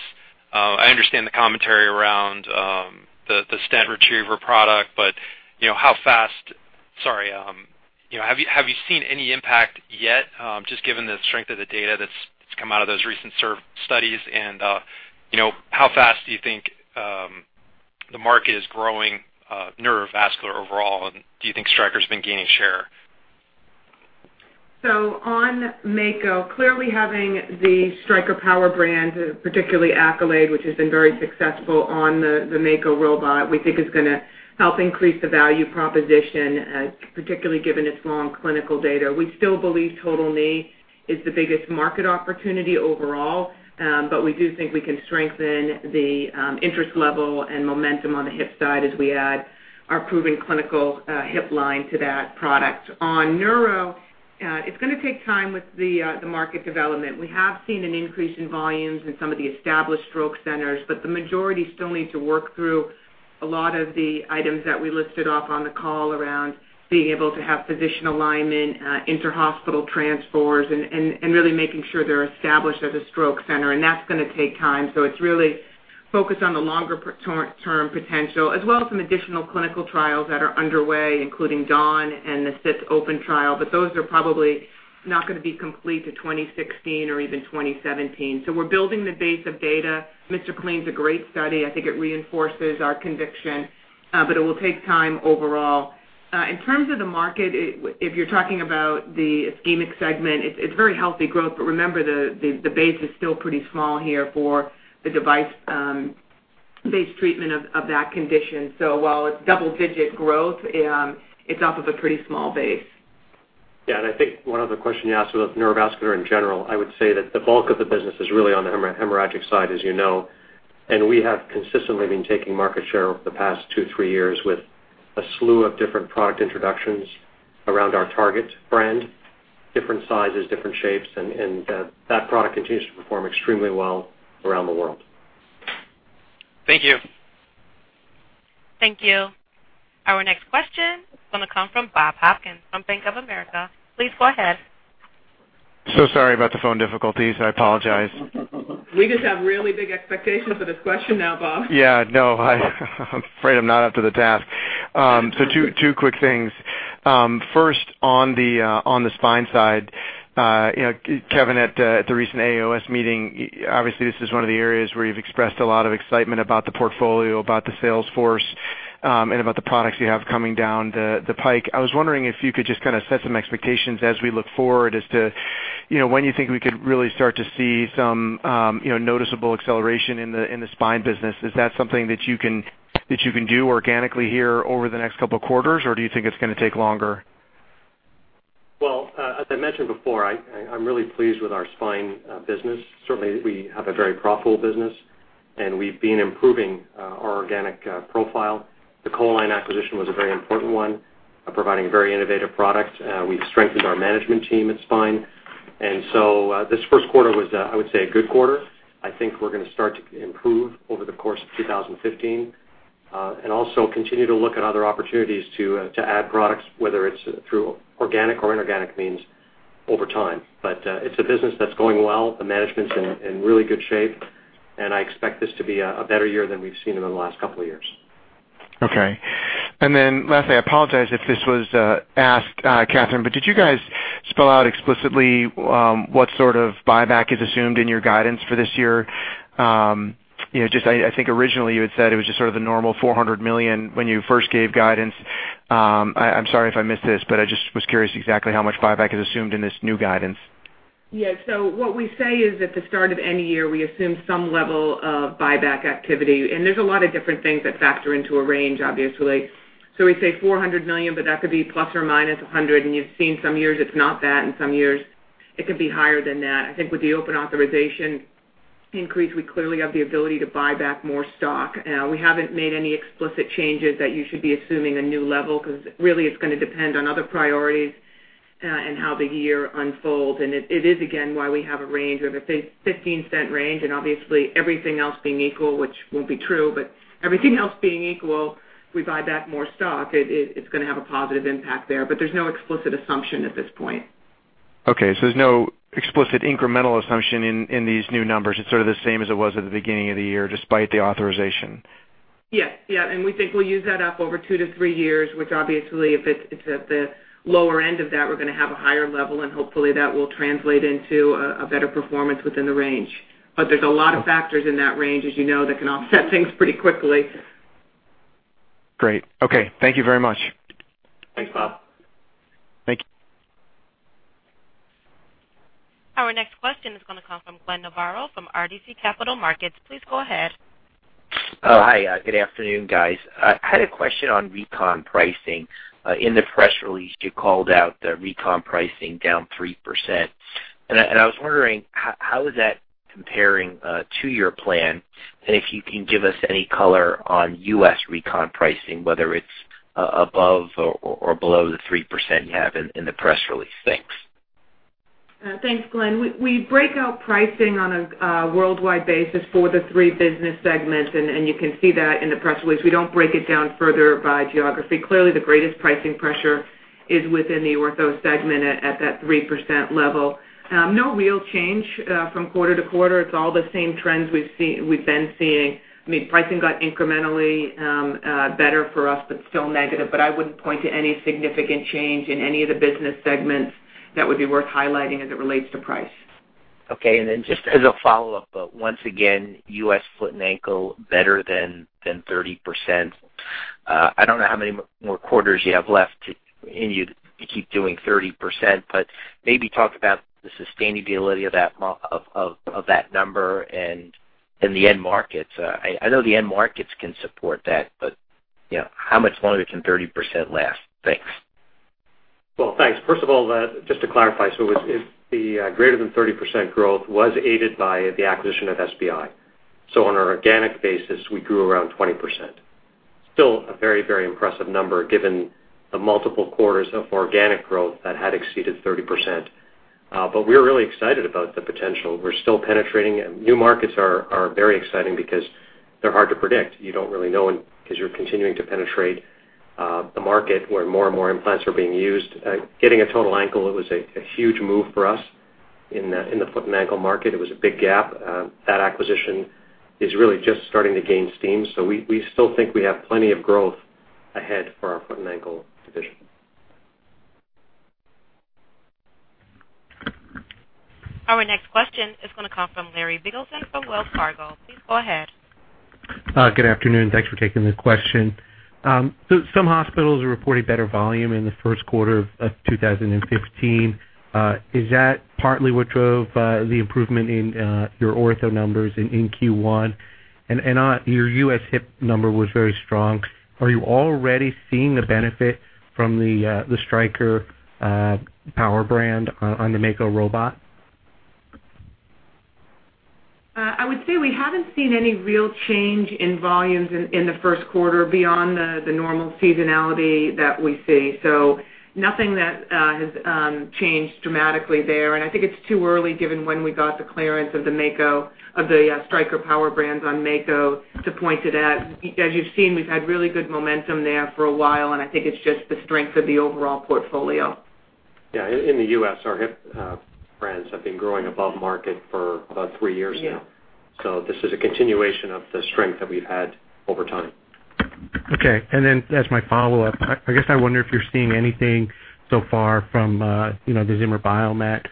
I understand the commentary around the stent retriever product, but have you seen any impact yet just given the strength of the data that's come out of those recent [served studies] and how fast do you think the market is growing neurovascular overall, and do you think Stryker's been gaining share? On Mako, clearly having the Stryker power brand, particularly Accolade, which has been very successful on the Mako robot, we think is going to help increase the value proposition, particularly given its long clinical data. We still believe total knee is the biggest market opportunity overall, but we do think we can strengthen the interest level and momentum on the hip side as we add our proven clinical hip line to that product. On neuro, it's going to take time with the market development. We have seen an increase in volumes in some of the established stroke centers, but the majority still need to work through a lot of the items that we listed off on the call around being able to have physician alignment, inter-hospital transfers, and really making sure they're established as a stroke center. That's going to take time. It's really focused on the longer term potential as well as some additional clinical trials that are underway, including DAWN and the SITS open trial. Those are probably not going to be complete to 2016 or even 2017. We're building the base of data. MR CLEAN's a great study. I think it reinforces our conviction, but it will take time overall. In terms of the market, if you're talking about the ischemic segment, it's very healthy growth. Remember, the base is still pretty small here for the device-based treatment of that condition. While it's double-digit growth, it's off of a pretty small base. I think one other question you asked about neurovascular in general, I would say that the bulk of the business is really on the hemorrhagic side, as you know, we have consistently been taking market share over the past two, three years with a slew of different product introductions around our Target brand, different sizes, different shapes, and that product continues to perform extremely well around the world. Thank you. Thank you. Our next question is going to come from Bob Hopkins from Bank of America. Please go ahead. Sorry about the phone difficulties. I apologize. We just have really big expectations for this question now, Bob. No, I'm afraid I'm not up to the task. Two quick things. First, on the spine side, Kevin, at the recent AAOS meeting, obviously, this is one of the areas where you've expressed a lot of excitement about the portfolio, about the sales force, and about the products you have coming down the pike. I was wondering if you could just kind of set some expectations as we look forward as to when you think we could really start to see some noticeable acceleration in the spine business. Is that something that you can do organically here over the next couple of quarters, or do you think it's going to take longer? As I mentioned before, I'm really pleased with our spine business. Certainly, we have a very profitable business, and we've been improving our organic profile. The CoAlign acquisition was a very important one, providing a very innovative product. We've strengthened our management team at Spine. This first quarter was, I would say, a good quarter. I think we're going to start to improve over the course of 2015. Also continue to look at other opportunities to add products, whether it's through organic or inorganic means over time. It's a business that's going well. The management's in really good shape, and I expect this to be a better year than we've seen in the last couple of years. Okay. Lastly, I apologize if this was asked, Katherine, but did you guys spell out explicitly what sort of buyback is assumed in your guidance for this year? I think originally you had said it was just sort of the normal $400 million when you first gave guidance. I am sorry if I missed this, I just was curious exactly how much buyback is assumed in this new guidance. Yeah. What we say is, at the start of any year, we assume some level of buyback activity, there's a lot of different things that factor into a range, obviously. We say $400 million, but that could be plus or minus $100, you've seen some years it's not that, some years it could be higher than that. I think with the open authorization increase, we clearly have the ability to buy back more stock. We haven't made any explicit changes that you should be assuming a new level, really it's going to depend on other priorities and how the year unfolds, and it is again, why we have a range. We have a $0.15 range, obviously everything else being equal, which won't be true, everything else being equal, we buy back more stock. It's going to have a positive impact there's no explicit assumption at this point. Okay, there's no explicit incremental assumption in these new numbers. It's sort of the same as it was at the beginning of the year, despite the authorization. Yes. We think we'll use that up over two to three years, which obviously, if it's at the lower end of that, we're going to have a higher level, and hopefully that will translate into a better performance within the range. There's a lot of factors in that range, as you know, that can offset things pretty quickly. Great. Okay. Thank you very much. Thanks, Bob. Thank you. Our next question is going to come from Glenn Novarro from RBC Capital Markets. Please go ahead. Hi. Good afternoon, guys. I had a question on recon pricing. In the press release, you called out the recon pricing down 3%, and I was wondering how is that comparing to your plan, and if you can give us any color on U.S. recon pricing, whether it's above or below the 3% you have in the press release. Thanks. Thanks, Glenn. We break out pricing on a worldwide basis for the three business segments, and you can see that in the press release. We don't break it down further by geography. Clearly, the greatest pricing pressure is within the ortho segment at that 3% level. No real change from quarter-to-quarter. It's all the same trends we've been seeing. Pricing got incrementally better for us, but still negative. I wouldn't point to any significant change in any of the business segments that would be worth highlighting as it relates to price. Okay, just as a follow-up, once again, U.S. foot and ankle better than 30%. I don't know how many more quarters you have left in you to keep doing 30%, but maybe talk about the sustainability of that number and the end markets. I know the end markets can support that, but how much longer can 30% last? Thanks. Well, thanks. First of all, just to clarify, the greater than 30% growth was aided by the acquisition of SBI. On an organic basis, we grew around 20%. Still a very, very impressive number given the multiple quarters of organic growth that had exceeded 30%. We're really excited about the potential. We're still penetrating, and new markets are very exciting because they're hard to predict. You don't really know because you're continuing to penetrate the market where more and more implants are being used. Getting a total ankle, it was a huge move for us in the foot and ankle market. It was a big gap. That acquisition is really just starting to gain steam. We still think we have plenty of growth ahead for our foot and ankle division. Our next question is going to come from Larry Biegelsen from Wells Fargo. Please go ahead. Good afternoon. Thanks for taking the question. Some hospitals are reporting better volume in the first quarter of 2015. Is that partly what drove the improvement in your Orthopaedics numbers in Q1? Your U.S. hip number was very strong. Are you already seeing the benefit from the Stryker PowerBrand on the Mako robot? I would say we haven't seen any real change in volumes in the first quarter beyond the normal seasonality that we see. Nothing that has changed dramatically there, and I think it's too early, given when we got the clearance of the Stryker PowerBrands on Mako to point to that. As you've seen, we've had really good momentum there for a while, and I think it's just the strength of the overall portfolio. In the U.S., our hip brands have been growing above market for about three years now. Yeah. This is a continuation of the strength that we've had over time. As my follow-up, I guess I wonder if you're seeing anything so far from the Zimmer Biomet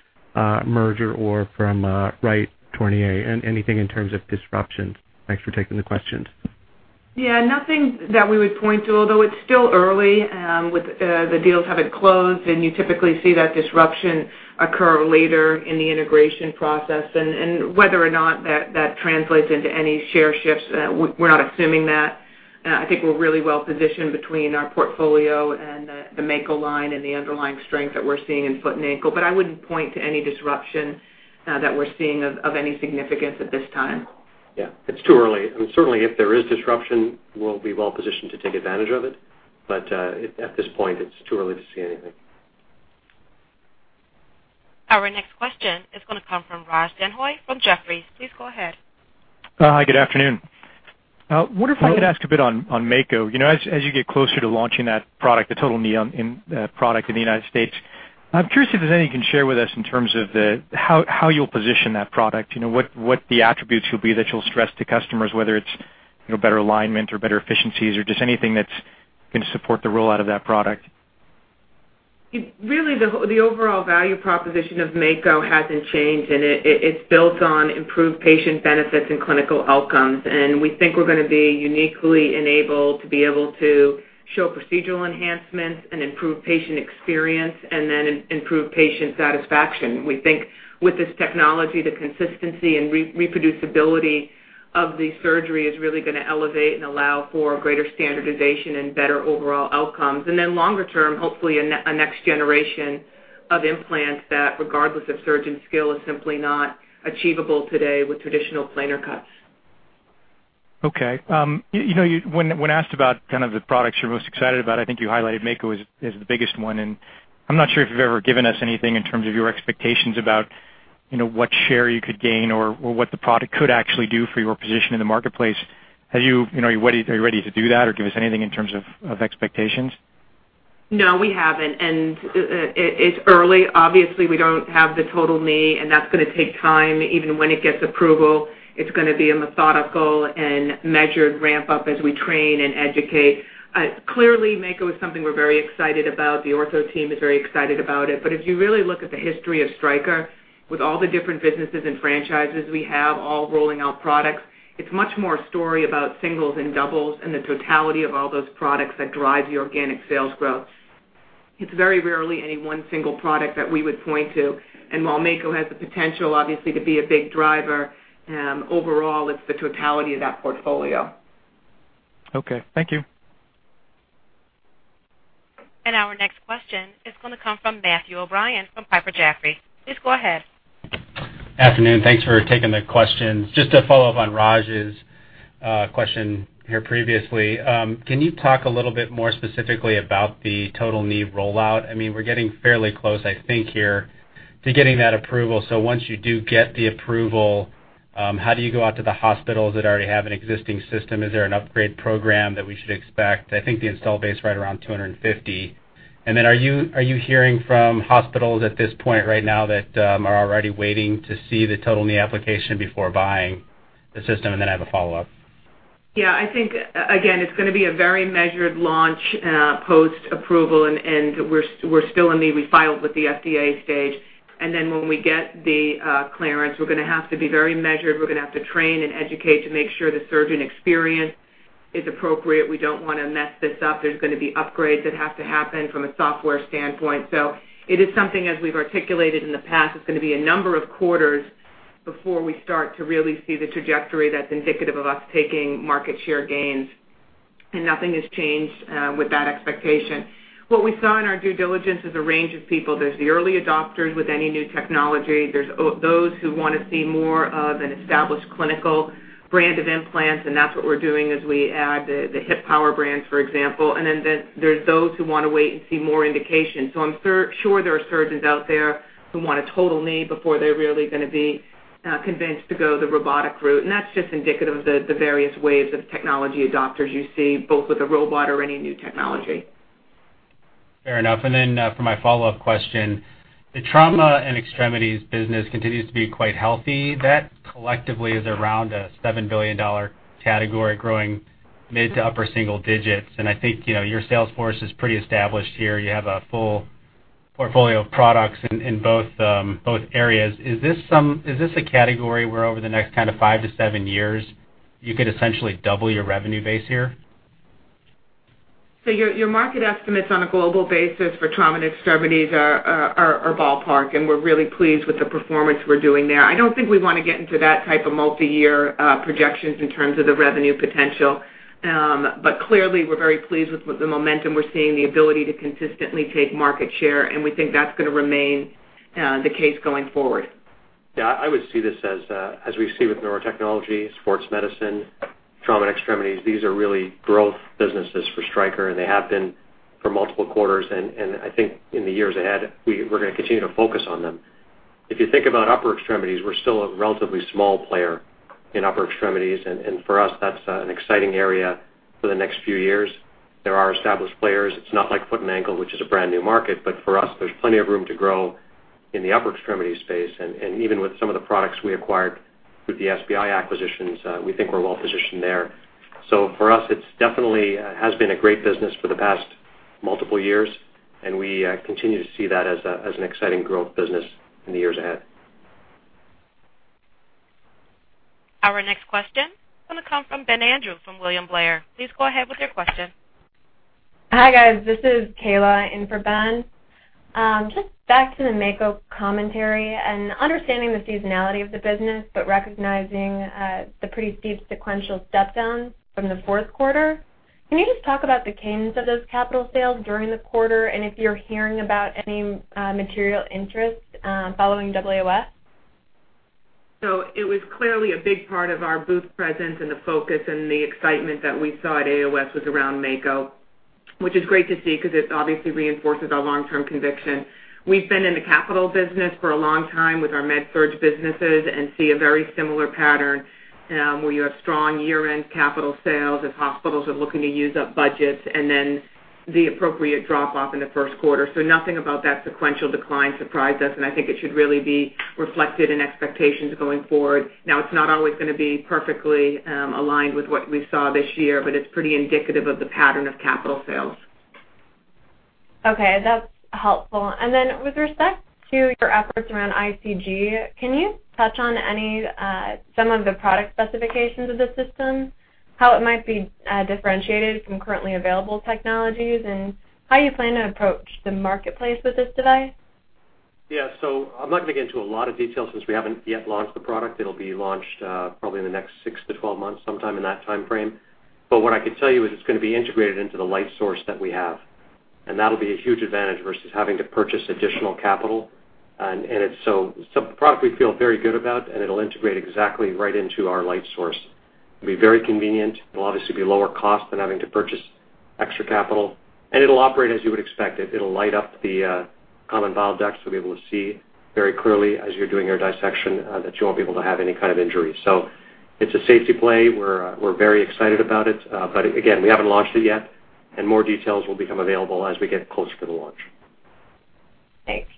merger or from Wright, Tornier. Anything in terms of disruptions? Thanks for taking the questions. Nothing that we would point to, although it's still early. The deals haven't closed, you typically see that disruption occur later in the integration process, whether or not that translates into any share shifts, we're not assuming that. I think we're really well positioned between our portfolio and the Mako line and the underlying strength that we're seeing in foot and ankle. I wouldn't point to any disruption that we're seeing of any significance at this time. Yeah, it's too early. Certainly, if there is disruption, we'll be well positioned to take advantage of it. At this point, it's too early to see anything. Our next question is going to come from Raj Denhoy from Jefferies. Please go ahead. Hi. Good afternoon. Now, I wonder if I could ask a bit on Mako. As you get closer to launching that product, the total knee product in the United States, I'm curious if there's anything you can share with us in terms of how you'll position that product. What the attributes will be that you'll stress to customers, whether it's better alignment or better efficiencies, or just anything that's going to support the rollout of that product. Really, the overall value proposition of Mako hasn't changed. It's built on improved patient benefits and clinical outcomes. We think we're going to be uniquely enabled to be able to show procedural enhancements and improve patient experience, then improve patient satisfaction. We think with this technology, the consistency and reproducibility of the surgery is really going to elevate and allow for greater standardization and better overall outcomes. Longer term, hopefully, a next generation of implants that, regardless of surgeon skill, is simply not achievable today with traditional planar cuts. Okay. When asked about the products you're most excited about, I think you highlighted Mako as the biggest one. I'm not sure if you've ever given us anything in terms of your expectations about what share you could gain or what the product could actually do for your position in the marketplace. Are you ready to do that or give us anything in terms of expectations? No, we haven't. It's early. Obviously, we don't have the total knee. That's going to take time. Even when it gets approval, it's going to be a methodical and measured ramp-up as we train and educate. Clearly, Mako is something we're very excited about. The ortho team is very excited about it. If you really look at the history of Stryker, with all the different businesses and franchises we have all rolling out products, it's much more a story about singles and doubles and the totality of all those products that drive the organic sales growth. It's very rarely any one single product that we would point to. While Mako has the potential, obviously, to be a big driver, overall, it's the totality of that portfolio. Okay. Thank you. Our next question is going to come from Matthew O'Brien from Piper Jaffray. Please go ahead. Afternoon. Thanks for taking the questions. Just to follow up on Raj's question here previously, can you talk a little bit more specifically about the total knee rollout? We're getting fairly close, I think here, to getting that approval. Once you do get the approval, how do you go out to the hospitals that already have an existing system? Is there an upgrade program that we should expect? I think the install base right around 250. Are you hearing from hospitals at this point right now that are already waiting to see the total knee application before buying the system? I have a follow-up. I think it's going to be a very measured launch post-approval, we're still in the refiled with the FDA stage. When we get the clearance, we're going to have to be very measured. We're going to have to train and educate to make sure the surgeon experience is appropriate. We don't want to mess this up. There's going to be upgrades that have to happen from a software standpoint. It is something, as we've articulated in the past, it's going to be a number of quarters before we start to really see the trajectory that's indicative of us taking market share gains. Nothing has changed with that expectation. What we saw in our due diligence is a range of people. There's the early adopters with any new technology. There's those who want to see more of an established clinical brand of implants, that's what we're doing as we add the Hip Power brands, for example. There's those who want to wait and see more indications. I'm sure there are surgeons out there who want a total knee before they're really going to be convinced to go the robotic route. That's just indicative of the various waves of technology adopters you see, both with a robot or any new technology. Fair enough. For my follow-up question, the trauma and extremities business continues to be quite healthy. That collectively is around a $7 billion category growing mid to upper single digits. I think your sales force is pretty established here. You have a full portfolio of products in both areas. Is this a category where over the next five to seven years, you could essentially double your revenue base here? Your market estimates on a global basis for trauma and extremities are ballpark, we're really pleased with the performance we're doing there. I don't think we want to get into that type of multi-year projections in terms of the revenue potential. Clearly, we're very pleased with the momentum we're seeing, the ability to consistently take market share, we think that's going to remain the case going forward. I would see this as we see with Neurotechnology, sports medicine, trauma and extremities. These are really growth businesses for Stryker, they have been for multiple quarters, I think in the years ahead, we're going to continue to focus on them. If you think about upper extremities, we're still a relatively small player in upper extremities, for us, that's an exciting area for the next few years. There are established players. It's not like foot and ankle, which is a brand-new market. For us, there's plenty of room to grow in the upper extremity space, even with some of the products we acquired with the SBI acquisitions, we think we're well-positioned there. For us, it definitely has been a great business for the past multiple years, we continue to see that as an exciting growth business in the years ahead. Our next question is going to come from Ben Andrew from William Blair. Please go ahead with your question. Hi, guys. This is Kayla in for Ben. Back to the Mako commentary and understanding the seasonality of the business, but recognizing the pretty steep sequential step down from the fourth quarter. Can you just talk about the cadence of those capital sales during the quarter and if you're hearing about any material interest following AAOS? It was clearly a big part of our booth presence and the focus and the excitement that we saw at AAOS was around Mako. Which is great to see because it obviously reinforces our long-term conviction. We've been in the capital business for a long time with our MedSurg businesses and see a very similar pattern, where you have strong year-end capital sales as hospitals are looking to use up budgets, and then the appropriate drop-off in the first quarter. Nothing about that sequential decline surprised us, and I think it should really be reflected in expectations going forward. It's not always going to be perfectly aligned with what we saw this year, but it's pretty indicative of the pattern of capital sales. Okay. That's helpful. With respect to your efforts around ICG, can you touch on some of the product specifications of the system, how it might be differentiated from currently available technologies, and how you plan to approach the marketplace with this device? Yeah. I'm not going to get into a lot of detail since we haven't yet launched the product. It'll be launched probably in the next six to 12 months, sometime in that timeframe. What I could tell you is it's going to be integrated into the light source that we have, and that'll be a huge advantage versus having to purchase additional capital. It's a product we feel very good about, and it'll integrate exactly right into our light source. It'll be very convenient. It'll obviously be lower cost than having to purchase extra capital. It'll operate as you would expect. It'll light up the common bile duct, so you'll be able to see very clearly as you're doing your dissection that you won't be able to have any kind of injury. It's a safety play. We're very excited about it. Again, we haven't launched it yet, and more details will become available as we get closer to launch. Thanks.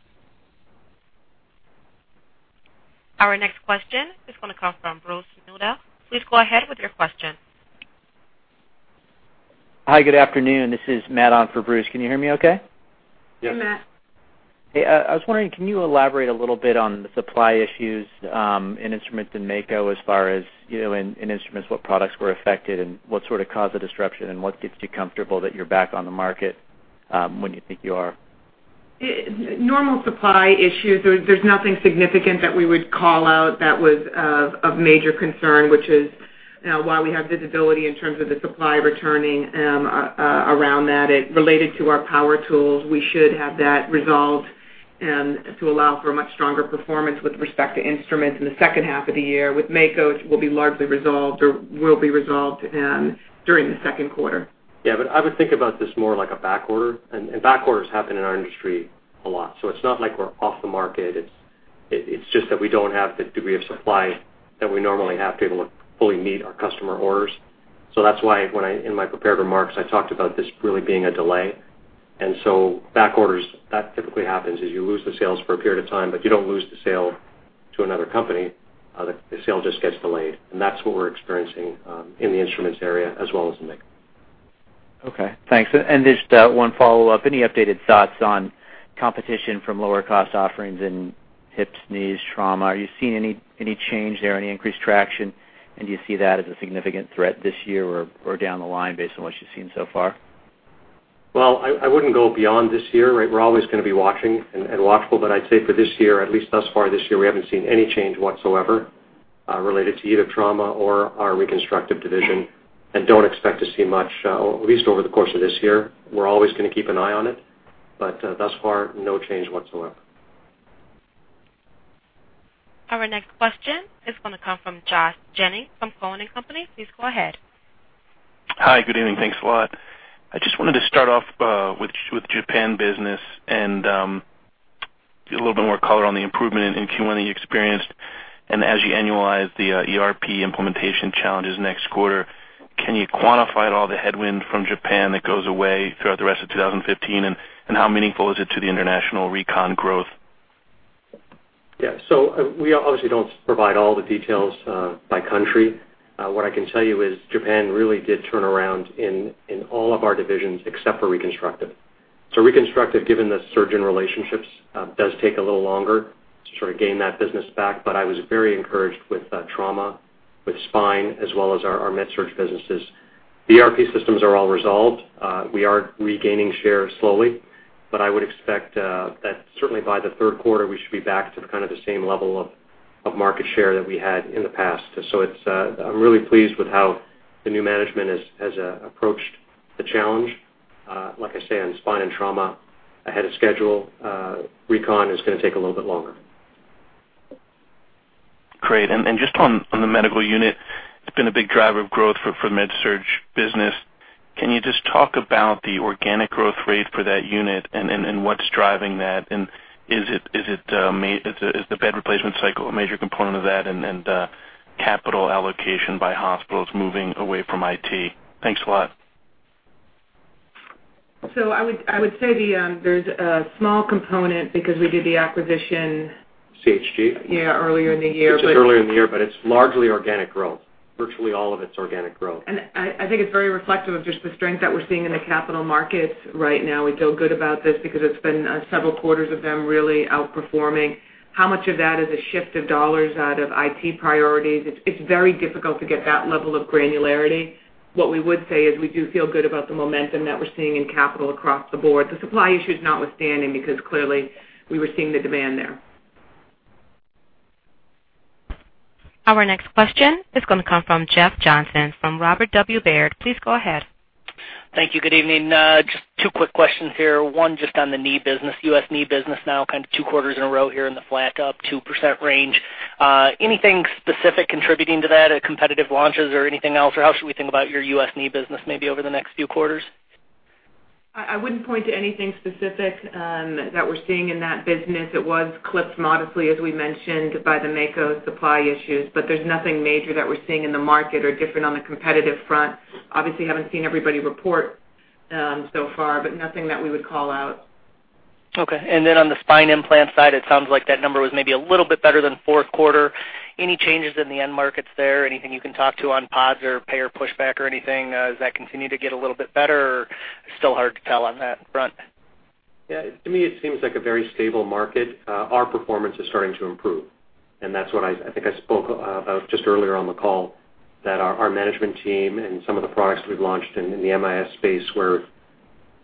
Our next question is going to come from Bruce Nudell. Please go ahead with your question. Hi, good afternoon. This is Matt on for Bruce. Can you hear me okay? Yes. Hey, Matt. Hey, I was wondering, can you elaborate a little bit on the supply issues in instruments and Mako, as far as in instruments, what products were affected and what sort of caused the disruption, and what gets you comfortable that you're back on the market when you think you are? Normal supply issues. There's nothing significant that we would call out that was of major concern, which is why we have visibility in terms of the supply returning around that. Related to our power tools, we should have that resolved to allow for a much stronger performance with respect to instruments in the second half of the year. With Mako, it will be largely resolved or will be resolved during the second quarter. Yeah, I would think about this more like a backorder, and backorders happen in our industry a lot. It's not like we're off the market. It's just that we don't have the degree of supply that we normally have to be able to fully meet our customer orders. That's why in my prepared remarks, I talked about this really being a delay. Backorders, that typically happens, is you lose the sales for a period of time, but you don't lose the sale to another company. The sale just gets delayed. That's what we're experiencing in the instruments area as well as in Mako. Okay, thanks. Just one follow-up. Any updated thoughts on competition from lower cost offerings in hips, knees, trauma? Are you seeing any change there, any increased traction? Do you see that as a significant threat this year or down the line based on what you've seen so far? I wouldn't go beyond this year. We're always going to be watching and watchful. I'd say for this year, at least thus far this year, we haven't seen any change whatsoever related to either trauma or our reconstructive division, and don't expect to see much, at least over the course of this year. We're always going to keep an eye on it, but thus far, no change whatsoever. Our next question is going to come from Josh Jennings from Cowen and Company. Please go ahead. Hi, good evening. Thanks a lot. I just wanted to start off with Japan business and get a little bit more color on the improvement in Q1 that you experienced. As you annualize the ERP implementation challenges next quarter, can you quantify at all the headwind from Japan that goes away throughout the rest of 2015? How meaningful is it to the international recon growth? We obviously don't provide all the details by country. What I can tell you is Japan really did turn around in all of our divisions except for reconstructive. Reconstructive, given the surgeon relationships, does take a little longer to sort of gain that business back. I was very encouraged with trauma, with spine, as well as our MedSurg businesses. The ERP systems are all resolved. We are regaining share slowly, but I would expect that certainly by the third quarter, we should be back to kind of the same level of market share that we had in the past. I'm really pleased with how the new management has approached the challenge. Like I say, on spine and trauma, ahead of schedule. Recon is going to take a little bit longer. Just on the Medical unit, it's been a big driver of growth for MedSurg business. Can you just talk about the organic growth rate for that unit and what's driving that? Is the bed replacement cycle a major component of that and capital allocation by hospitals moving away from IT? Thanks a lot. I would say there's a small component because we did the acquisition. CHG. Yeah, earlier in the year. It's just earlier in the year, but it's largely organic growth. Virtually all of it's organic growth. I think it's very reflective of just the strength that we're seeing in the capital markets right now. We feel good about this because it's been several quarters of them really outperforming. How much of that is a shift of $ out of IT priorities? It's very difficult to get that level of granularity. What we would say is we do feel good about the momentum that we're seeing in capital across the board, the supply issues notwithstanding, because clearly we were seeing the demand there. Our next question is going to come from Jeff Johnson from Robert W. Baird. Please go ahead. Thank you. Good evening. Just two quick questions here. One, just on the knee business, U.S. knee business now kind of two quarters in a row here in the flat up 2% range. Anything specific contributing to that, competitive launches or anything else? How should we think about your U.S. knee business maybe over the next few quarters? I wouldn't point to anything specific that we're seeing in that business. It was clipped modestly, as we mentioned, by the Mako supply issues. There's nothing major that we're seeing in the market or different on the competitive front. Obviously, haven't seen everybody report so far, but nothing that we would call out. On the spine implant side, it sounds like that number was maybe a little bit better than fourth quarter. Any changes in the end markets there? Anything you can talk to on pods or payer pushback or anything? Does that continue to get a little bit better or still hard to tell on that front? Yeah, to me, it seems like a very stable market. Our performance is starting to improve, and that's what I think I spoke about just earlier on the call, that our management team and some of the products we've launched in the MIS space, where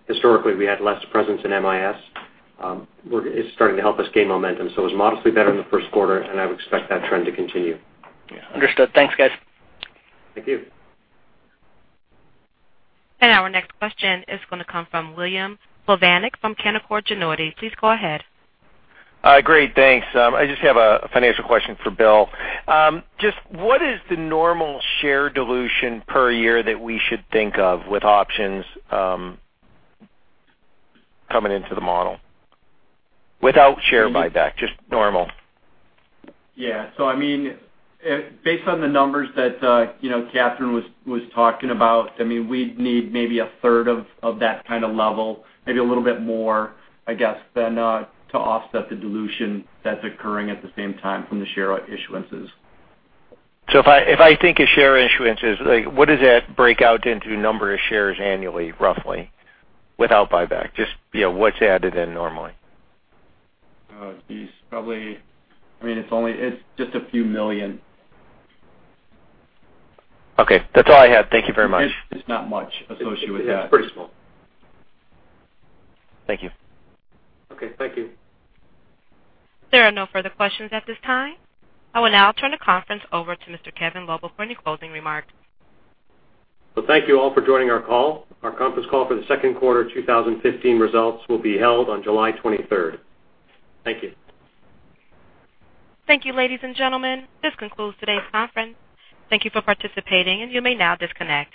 historically we had less presence in MIS, it's starting to help us gain momentum. It was modestly better in the first quarter, and I would expect that trend to continue. Yeah, understood. Thanks, guys. Thank you. Our next question is going to come from William Plovanic from Canaccord Genuity. Please go ahead. Great, thanks. I just have a financial question for Bill. Just what is the normal share dilution per year that we should think of with options coming into the model? Without share buyback, just normal. Yeah. Based on the numbers that Katherine was talking about, we'd need maybe a third of that kind of level, maybe a little bit more, I guess, then to offset the dilution that's occurring at the same time from the share issuances. If I think of share issuances, what does that break out into number of shares annually, roughly, without buyback? Just what's added in normally. It's just a few million. Okay, that's all I had. Thank you very much. It's not much associated with that. It's pretty small. Thank you. Okay. Thank you. There are no further questions at this time. I will now turn the conference over to Mr. Kevin Lobo for any closing remarks. Well, thank you all for joining our call. Our conference call for the second quarter 2015 results will be held on July 23rd. Thank you. Thank you, ladies and gentlemen. This concludes today's conference. Thank you for participating, and you may now disconnect.